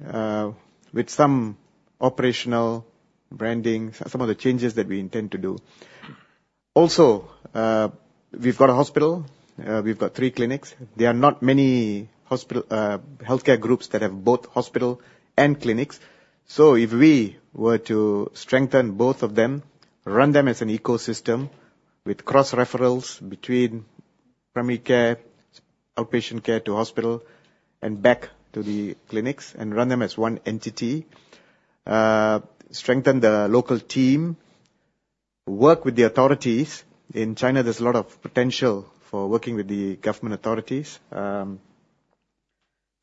with some operational branding, some of the changes that we intend to do. Also, we've got a hospital, we've got three clinics. There are not many hospital healthcare groups that have both hospital and clinics. So if we were to strengthen both of them, run them as an ecosystem with cross-referrals between primary care, outpatient care to hospital, and back to the clinics, and run them as one entity. Strengthen the local team, work with the authorities. In China, there's a lot of potential for working with the government authorities. So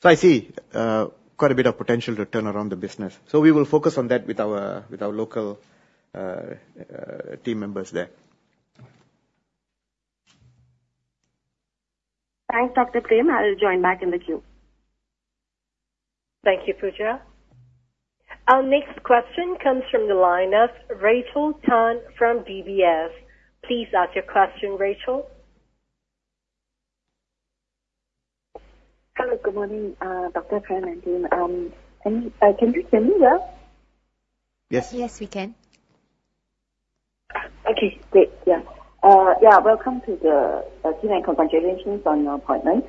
I see quite a bit of potential to turn around the business. So we will focus on that with our local team members there. Thanks, Dr. Prem. I will join back in the queue. Thank you, Pooja. Our next question comes from the line of Rachel Tan from DBS. Please ask your question, Rachel. Hello, good morning, Dr. Prem and team. Can you hear me well? Yes. Yes, we can. Okay, great. Yeah. Yeah, welcome to the team and congratulations on your appointment.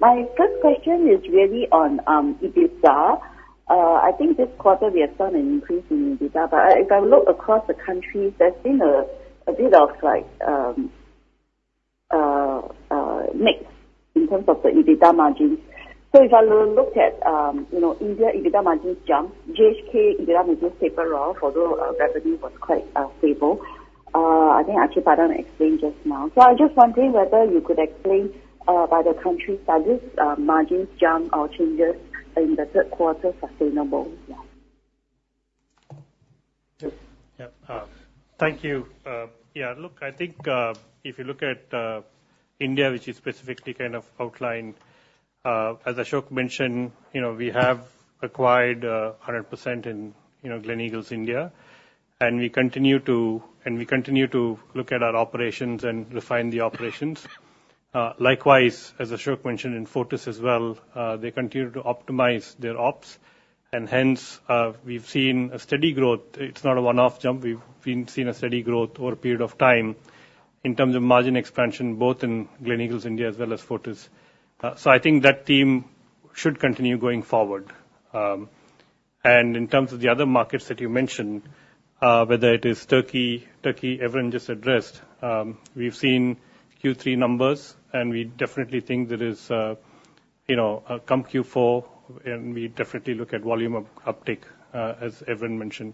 My first question is really on EBITDA. I think this quarter we have seen an increase in EBITDA, but if I look across the countries, there's been a bit of like mix in terms of the EBITDA margins. So if I look at you know, India, EBITDA margins jumped. GHK, EBITDA margins taper off, although our revenue was quite stable. I think actually, Prem explained just now. So I'm just wondering whether you could explain by the country, are these margins jump or changes in the third quarter sustainable? Yeah. Thank you. Yeah, look, I think, if you look at India, which is specifically kind of outlined, as Ashok mentioned, you know, we have acquired 100% in, you know, Gleneagles India, and we continue to look at our operations and refine the operations. Likewise, as Ashok mentioned in Fortis as well, they continue to optimize their ops, and hence, we've seen a steady growth. It's not a one-off jump. We've been seeing a steady growth over a period of time in terms of margin expansion, both in Gleneagles India as well as Fortis. So I think that team should continue going forward. And in terms of the other markets that you mentioned, whether it is Turkey, Evren just addressed. We've seen Q3 numbers, and we definitely think there is a, you know, come Q4, and we definitely look at volume of uptake, as Evren mentioned.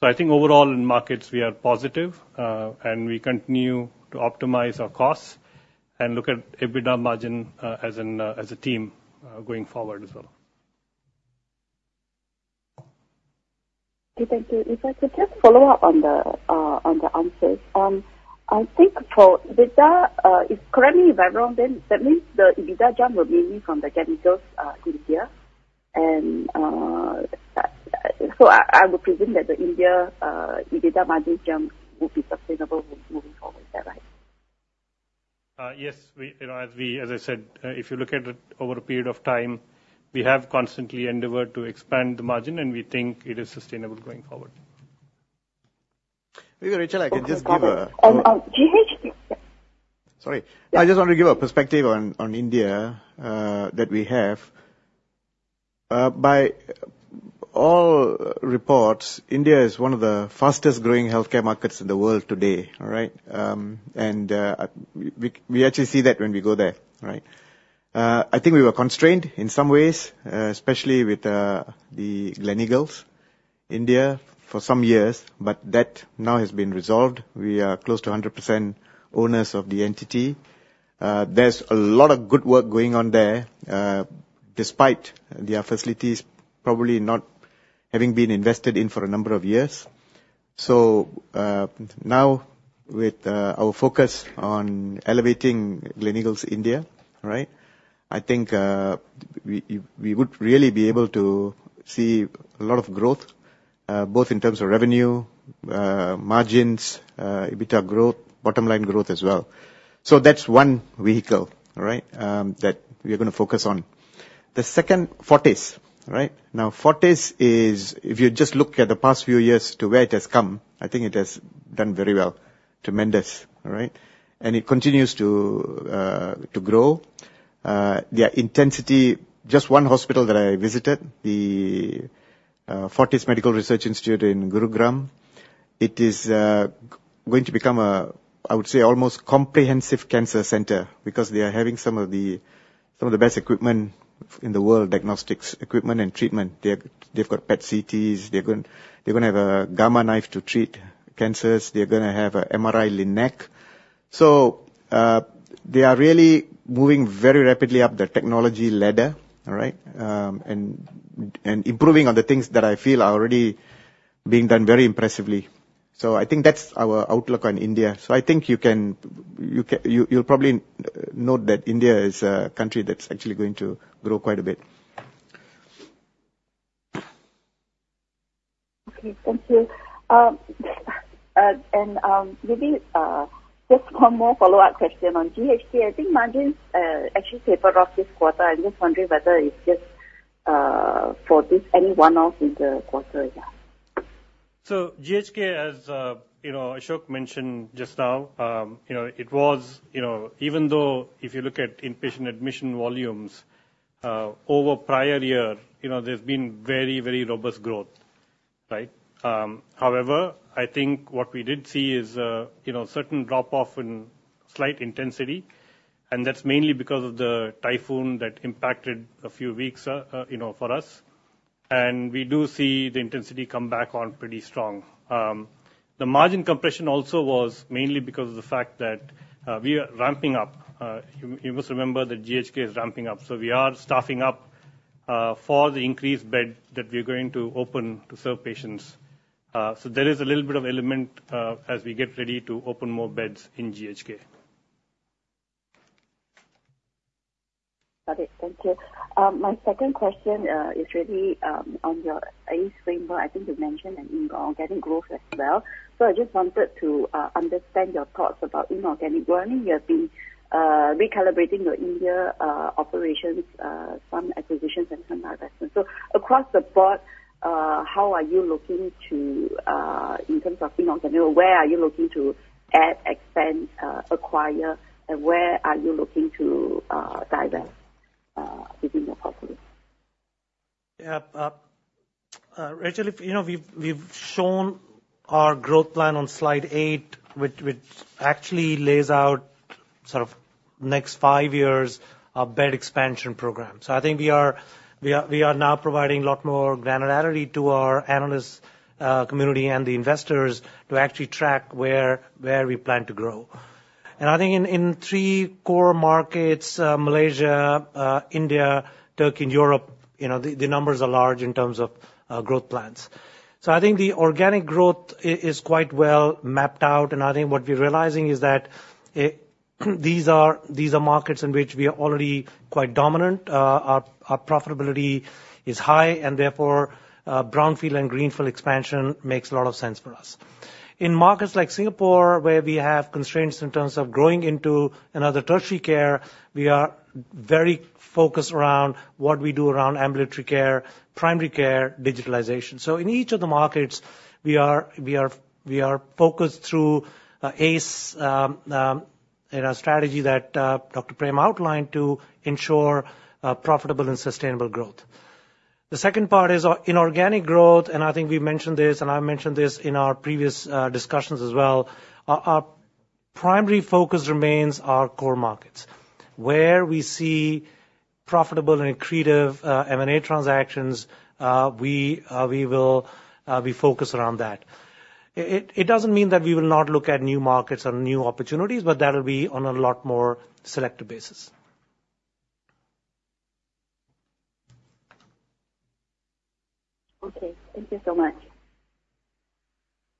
So I think overall in markets, we are positive, and we continue to optimize our costs and look at EBITDA margin, as an, as a team, going forward as well. Okay, thank you. If I could just follow up on the, on the answers. I think for EBITDA, correct me if I'm wrong, then that means the EBITDA jump were mainly from the Gleneagles India. And, so I, I would presume that the India, EBITDA margin jump will be sustainable moving forward. Is that right? Yes, you know, as I said, if you look at it over a period of time, we have constantly endeavored to expand the margin, and we think it is sustainable going forward. Maybe, Rachel, I can just give a- And, GHK- Sorry. I just want to give a perspective on India that we have. By all reports, India is one of the fastest growing healthcare markets in the world today, all right? And we actually see that when we go there, right? I think we were constrained in some ways, especially with the Gleneagles India for some years, but that now has been resolved. We are close to 100% owners of the entity. There's a lot of good work going on there, despite their facilities probably not having been invested in for a number of years. So, now, with our focus on elevating Gleneagles India, all right, I think we would really be able to see a lot of growth, both in terms of revenue, margins, EBITDA growth, bottom line growth as well. So that's one vehicle, all right, that we're gonna focus on. The second, Fortis, right? Now, Fortis is, if you just look at the past few years to where it has come, I think it has done very well. Tremendous, all right? And it continues to grow. Their intensity, just one hospital that I visited, the Fortis Memorial Research Institute in Gurugram, it is going to become a, I would say, almost comprehensive cancer center because they are having some of the best equipment in the world, diagnostics equipment and treatment. They've got PET/CTs. They're going, they're gonna have a Gamma Knife to treat cancers. They're gonna have an MRI LINAC. So, they are really moving very rapidly up the technology ladder, all right, and improving on the things that I feel are already being done very impressively. So I think that's our outlook on India. So I think you'll probably note that India is a country that's actually going to grow quite a bit. Okay. Thank you. And maybe just one more follow-up question on GHK. I think margins actually tapered off this quarter. I'm just wondering whether it's just for this any one-off in the quarter? Yeah. So GHK, as you know, Ashok mentioned just now, you know, it was. You know, even though if you look at inpatient admission volumes over prior-year, you know, there's been very, very robust growth, right? However, I think what we did see is a certain drop-off in slight intensity, and that's mainly because of the typhoon that impacted a few weeks for us, and we do see the intensity come back on pretty strong. The margin compression also was mainly because of the fact that we are ramping up. You must remember that GHK is ramping up, so we are staffing up for the increased bed that we're going to open to serve patients. So there is a little bit of element as we get ready to open more beds in GHK. Got it. Thank you. My second question is really on your ACE Framework. I think you mentioned an inorganic growth as well. So I just wanted to understand your thoughts about inorganic growth. I mean, you have been recalibrating your India operations, some acquisitions and some divestment. So across the board, how are you looking to in terms of inorganic, where are you looking to add, expand, acquire, and where are you looking to divest, if it's more possible? Yeah. Rachel, if you know, we've shown our growth plan on slide 8, which actually lays out sort of next five years of bed expansion program. So I think we are now providing a lot more granularity to our analyst community and the investors to actually track where we plan to grow. And I think in 3 core markets, Malaysia, India, Turkey, and Europe, you know, the numbers are large in terms of growth plans. So I think the organic growth is quite well mapped out, and I think what we're realizing is that these are markets in which we are already quite dominant. Our profitability is high, and therefore brownfield and greenfield expansion makes a lot of sense for us. In markets like Singapore, where we have constraints in terms of growing into another tertiary care, we are very focused around what we do around ambulatory care, primary care, digitalization. So in each of the markets, we are focused through ACE in our strategy that Dr. Prem outlined to ensure profitable and sustainable growth. The second part is inorganic growth, and I think we've mentioned this, and I've mentioned this in our previous discussions as well. Our primary focus remains our core markets. Where we see profitable and accretive M&A transactions, we will be focused around that. It doesn't mean that we will not look at new markets or new opportunities, but that'll be on a lot more selective basis. Okay. Thank you so much.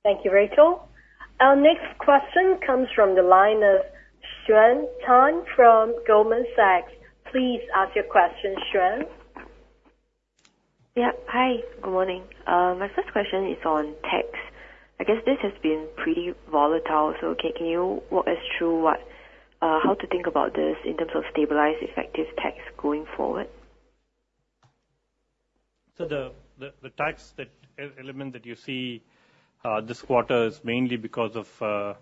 Thank you, Rachel. Our next question comes from the line of Xuan Tan from Goldman Sachs. Please ask your question, Xuan. Yeah. Hi, good morning. My first question is on tax. I guess this has been pretty volatile, so can you walk us through how to think about this in terms of stabilized effective tax going forward? So the tax element that you see this quarter is mainly because of—...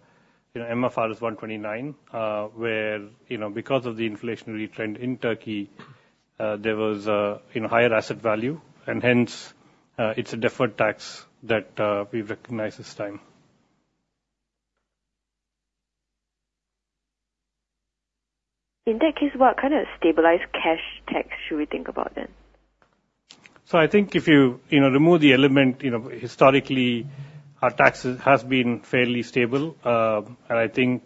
You know, MFRS 129, where, you know, because of the inflationary trend in Türkiye, there was a, you know, higher asset value, and hence, it's a deferred tax that, we've recognized this time. In that case, what kind of stabilized cash tax should we think about then? So I think if you, you know, remove the element, you know, historically, our taxes has been fairly stable. And I think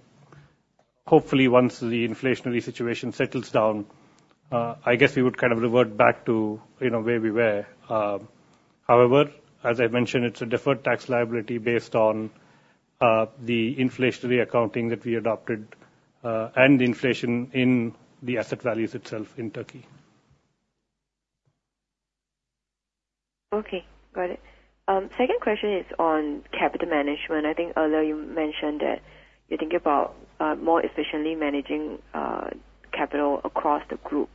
hopefully once the inflationary situation settles down, I guess we would kind of revert back to, you know, where we were. However, as I mentioned, it's a deferred tax liability based on the inflationary accounting that we adopted, and the inflation in the asset values itself in Turkey. Okay, got it. Second question is on capital management. I think earlier you mentioned that you're thinking about more efficiently managing capital across the group.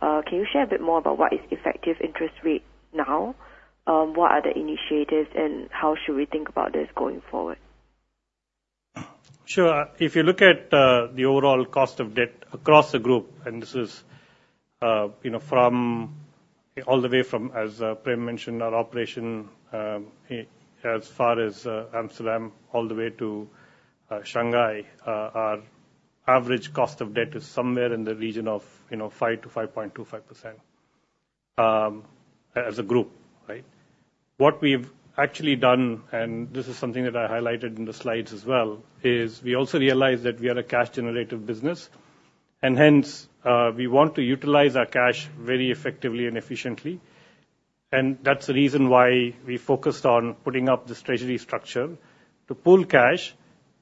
Can you share a bit more about what is effective interest rate now? What are the initiatives, and how should we think about this going forward? Sure. If you look at the overall cost of debt across the group, and this is, you know, from all the way from, as Prem mentioned, our operation, as far as Amsterdam, all the way to Shanghai, our average cost of debt is somewhere in the region of, you know, 5%-5.25%, as a group, right? What we've actually done, and this is something that I highlighted in the slides as well, is we also realized that we are a cash-generative business, and hence, we want to utilize our cash very effectively and efficiently. And that's the reason why we focused on putting up this treasury structure, to pool cash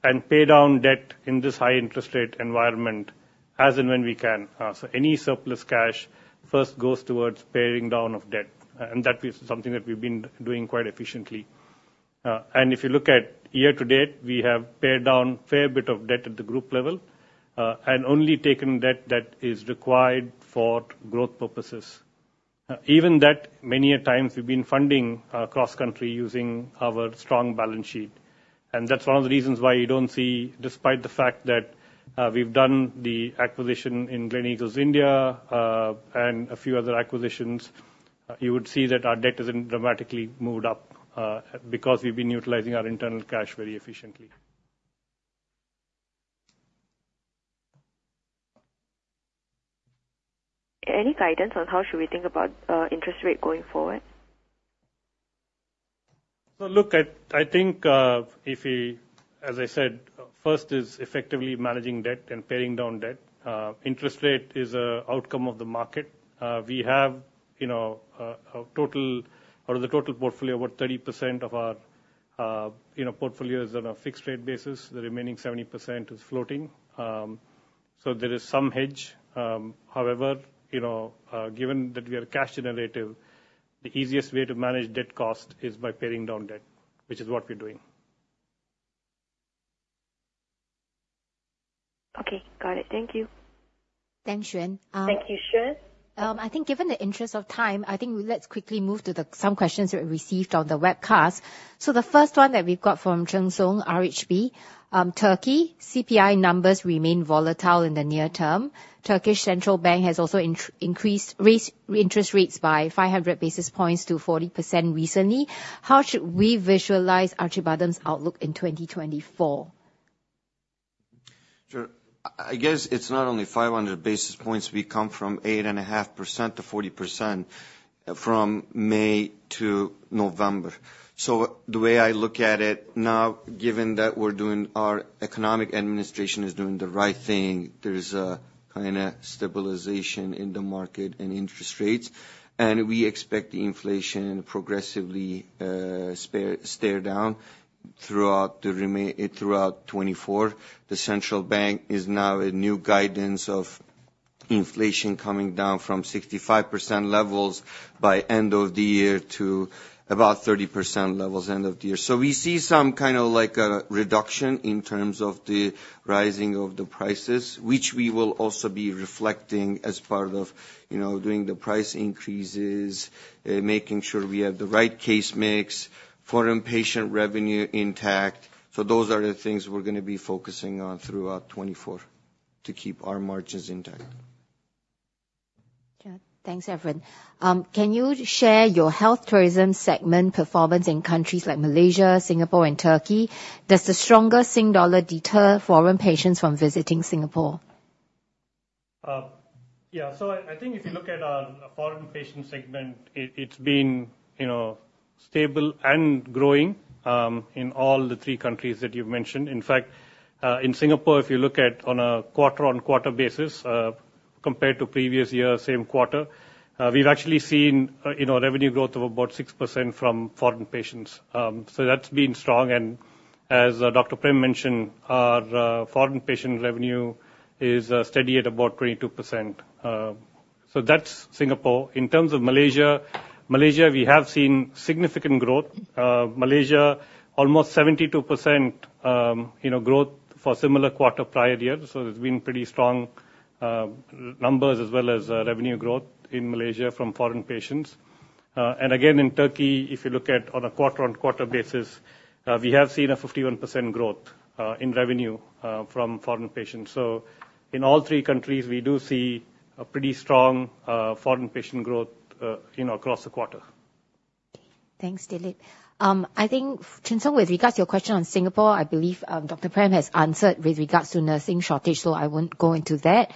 and pay down debt in this high interest rate environment as and when we can. So any surplus cash first goes towards paying down of debt, and that is something that we've been doing quite efficiently. And if you look at year-to-date, we have paid down a fair bit of debt at the group level, and only taken debt that is required for growth purposes. Even that, many a times we've been funding cross-country using our strong balance sheet. And that's one of the reasons why you don't see, despite the fact that we've done the acquisition in Gleneagles India, and a few other acquisitions, you would see that our debt isn't dramatically moved up, because we've been utilizing our internal cash very efficiently. Any guidance on how should we think about interest rate going forward? So look, I think, if we... As I said, first is effectively managing debt and paying down debt. Interest rate is an outcome of the market. We have, you know, a total, out of the total portfolio, about 30% of our, you know, portfolio is on a fixed rate basis. The remaining 70% is floating. So there is some hedge. However, you know, given that we are cash generative, the easiest way to manage debt cost is by paying down debt, which is what we're doing. Okay. Got it. Thank you. Thanks, Xuan. Thank you, Xuan. I think given the interest of time, I think let's quickly move to some questions we received on the webcast. So the first one that we've got from Cheng Siong, RHB. Turkey, CPI numbers remain volatile in the near term. Turkish Central Bank has also increased rates by 500 basis points to 40% recently. How should we visualize Acıbadem's outlook in 2024? Sure. I guess it's not only 500 basis points. We come from 8.5% to 40% from May to November. So the way I look at it now, given that we're doing... Our economic administration is doing the right thing, there is a kinda stabilization in the market and interest rates, and we expect the inflation progressively, stare down throughout 2024. The central bank is now a new guidance of inflation coming down from 65% levels by end of the year to about 30% levels end of the year. So we see some kind of like a reduction in terms of the rising of the prices, which we will also be reflecting as part of, you know, doing the price increases, making sure we have the right case mix, foreign patient revenue intact. Those are the things we're gonna be focusing on throughout 2024 to keep our margins intact. Yeah. Thanks, Evren. Can you share your health tourism segment performance in countries like Malaysia, Singapore, and Turkey? Does the stronger Sing Dollar deter foreign patients from visiting Singapore? Yeah. So I think if you look at our foreign patient segment, it's been, you know, stable and growing in all the three countries that you've mentioned. In fact, in Singapore, if you look at on a quarter-on-quarter basis, compared to previous year, same quarter, we've actually seen, you know, revenue growth of about 6% from foreign patients. So that's been strong, and as Dr. Prem mentioned, our foreign patient revenue is steady at about 22%. So that's Singapore. In terms of Malaysia, we have seen significant growth. Malaysia, almost 72%, you know, growth for similar quarter prior-year. So it's been pretty strong numbers as well as revenue growth in Malaysia from foreign patients. And again, in Turkey, if you look at on a quarter-on-quarter basis, we have seen a 51% growth in revenue from foreign patients. So in all three countries, we do see a pretty strong foreign patient growth, you know, across the quarter. Thanks, Dilip. I think, Cheng Siong, with regards to your question on Singapore, I believe, Dr. Prem has answered with regards to nursing shortage, so I won't go into that.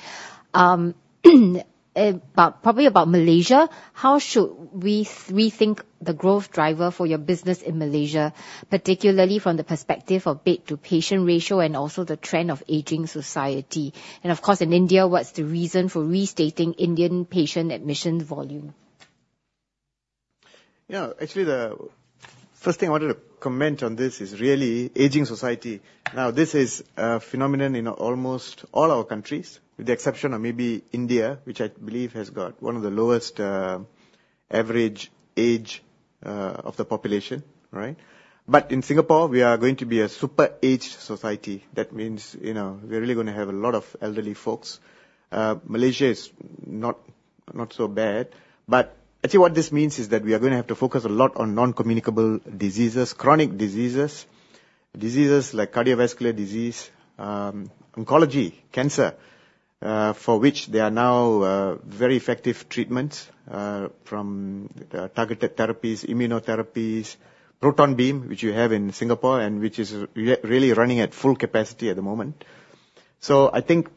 But probably about Malaysia, how should we rethink the growth driver for your business in Malaysia, particularly from the perspective of bed-to-patient ratio and also the trend of aging society? And of course, in India, what's the reason for restating Indian patient admission volume? Yeah, actually, the first thing I wanted to comment on this is really aging society. Now, this is a phenomenon in almost all our countries, with the exception of maybe India, which I believe has got one of the lowest average age of the population, right? But in Singapore, we are going to be a super aged society. That means, you know, we're really gonna have a lot of elderly folks. Malaysia is not, not so bad, but actually, what this means is that we are gonna have to focus a lot on non-communicable diseases, chronic diseases, diseases like cardiovascular disease, oncology, cancer, for which there are now very effective treatments from targeted therapies, immunotherapies, proton beam, which you have in Singapore, and which is really running at full capacity at the moment. So I think,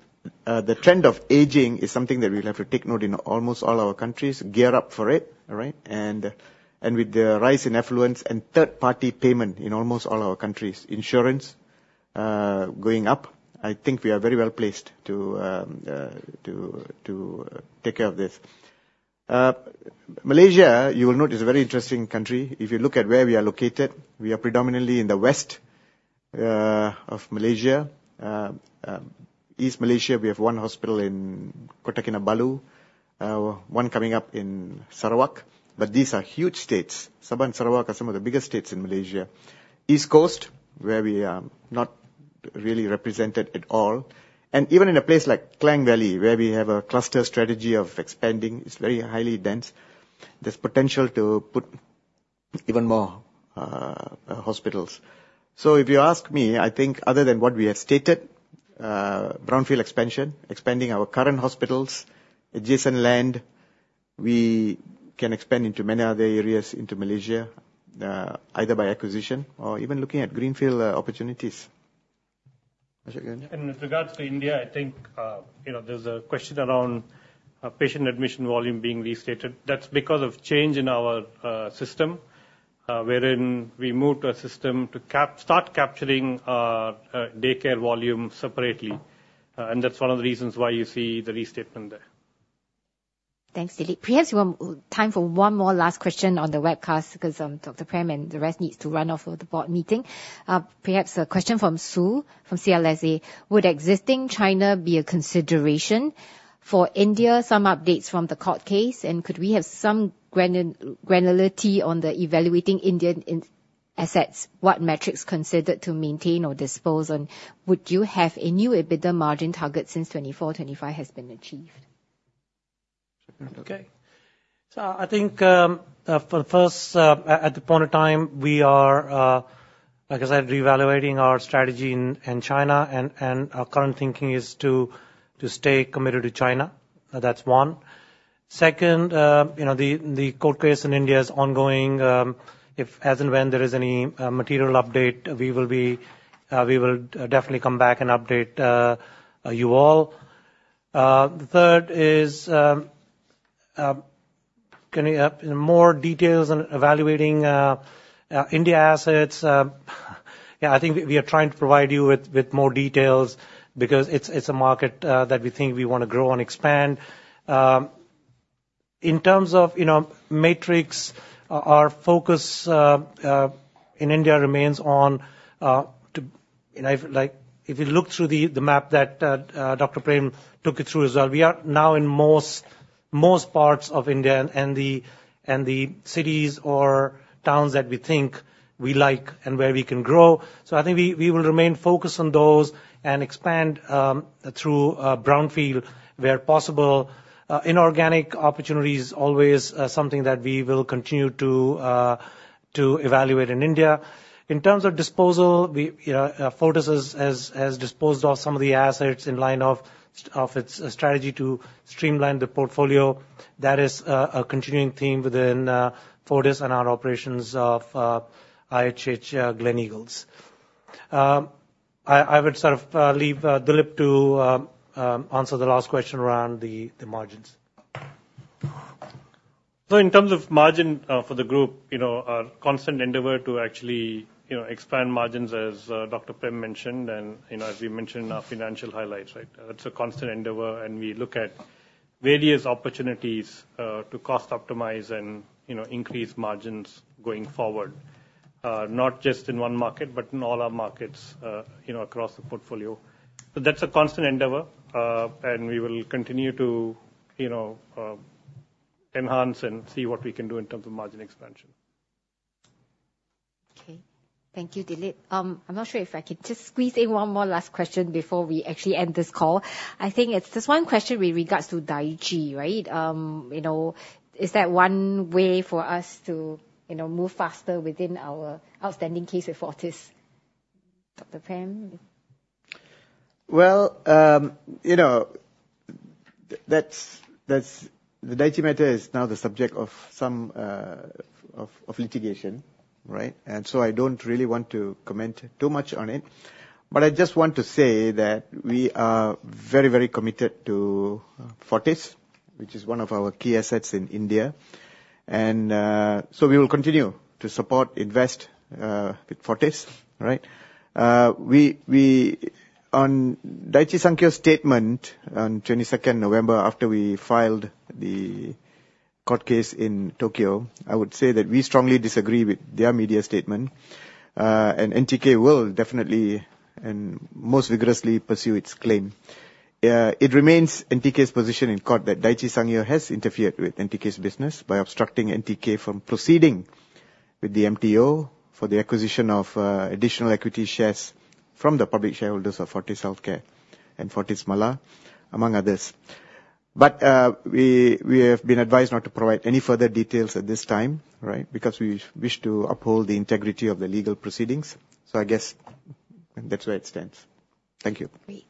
the trend of aging is something that we will have to take note in almost all our countries, gear up for it, all right? And, and with the rise in affluence and third-party payment in almost all our countries, insurance, going up, I think we are very well placed to, to take care of this. Malaysia, you will note, is a very interesting country. If you look at where we are located, we are predominantly in the west, of Malaysia. East Malaysia, we have one hospital in Kota Kinabalu, one coming up in Sarawak, but these are huge states. Sabah and Sarawak are some of the biggest states in Malaysia. East Coast, where we are not really represented at all, and even in a place like Klang Valley, where we have a cluster strategy of expanding, it's very highly dense. There's potential to put even more hospitals. So if you ask me, I think other than what we have stated, brownfield expansion, expanding our current hospitals, adjacent land, we can expand into many other areas into Malaysia, either by acquisition or even looking at greenfield opportunities. Dilip again. With regards to India, I think, you know, there's a question around patient admission volume being restated. That's because of change in our system, wherein we moved to a system to start capturing daycare volume separately. And that's one of the reasons why you see the restatement there. Thanks, Dilip. Perhaps we have time for one more last question on the webcast, because Dr. Prem and the rest needs to run off for the board meeting. Perhaps a question from Sue, from CLSA: Would existing China be a consideration for India? Some updates from the court case, and could we have some granularity on the evaluating Indian assets, what metrics considered to maintain or dispose on? Would you have a new EBITDA margin target since 2024, 2025 has been achieved? Okay. So I think, for the first, at the point of time, we are, like I said, reevaluating our strategy in, in China and, and our current thinking is to, to stay committed to China. That's one. Second, you know, the, the court case in India is ongoing. If, as and when there is any, material update, we will be... we will definitely come back and update, you all. The third is, can we have more details on evaluating, India assets? Yeah, I think we are trying to provide you with, with more details because it's, it's a market, that we think we want to grow and expand. In terms of, you know, metrics, our focus in India remains on – and if you look through the map that Dr. Prem took it through as well, we are now in most parts of India and the cities or towns that we think we like and where we can grow. So I think we will remain focused on those and expand through brownfield where possible. Inorganic opportunity is always something that we will continue to evaluate in India. In terms of disposal, we, Fortis has disposed of some of the assets in line with its strategy to streamline the portfolio. That is a continuing theme within Fortis and our operations of IHH, Gleneagles. I would sort of leave Dilip to answer the last question around the margins. So in terms of margin, for the group, you know, our constant endeavor to actually, you know, expand margins, as, Dr. Prem mentioned, and, you know, as we mentioned in our financial highlights, right? That's a constant endeavor, and we look at various opportunities, to cost optimize and, you know, increase margins going forward, not just in one market, but in all our markets, you know, across the portfolio. But that's a constant endeavor, and we will continue to, you know, enhance and see what we can do in terms of margin expansion.... Okay, thank you, Dilip. I'm not sure if I can just squeeze in one more last question before we actually end this call. I think it's just one question with regards to Daiichi, right? You know, is that one way for us to, you know, move faster within our outstanding case with Fortis, Dr. Prem? Well, you know, that's the Daiichi matter is now the subject of some litigation, right? And so I don't really want to comment too much on it, but I just want to say that we are very, very committed to Fortis, which is one of our key assets in India. And so we will continue to support, invest with Fortis, right? On Daiichi Sankyo's statement on twenty-second November, after we filed the court case in Tokyo, I would say that we strongly disagree with their media statement. And NTK will definitely and most vigorously pursue its claim. It remains NTK's position in court that Daiichi Sankyo has interfered with NTK's business by obstructing NTK from proceeding with the MTO for the acquisition of additional equity shares from the public shareholders of Fortis Healthcare and Fortis Malar, among others. But we have been advised not to provide any further details at this time, right? Because we wish to uphold the integrity of the legal proceedings. So I guess that's where it stands. Thank you. Great.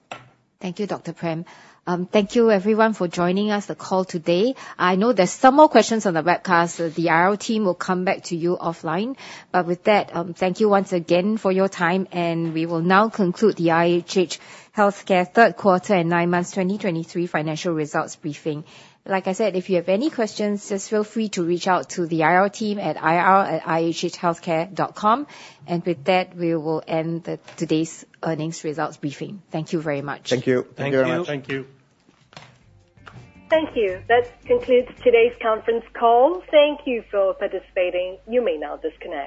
Thank you, Dr. Prem. Thank you everyone for joining us on the call today. I know there's some more questions on the webcast. So the IR team will come back to you offline. But with that, thank you once again for your time, and we will now conclude the IHH Healthcare third quarter and nine months 2023 financial results briefing. Like I said, if you have any questions, just feel free to reach out to the IR team at ir@ihhhealthcare.com. And with that, we will end today's earnings results briefing. Thank you very much. Thank you. Thank you very much. Thank you. Thank you. That concludes today's conference call. Thank you for participating. You may now disconnect.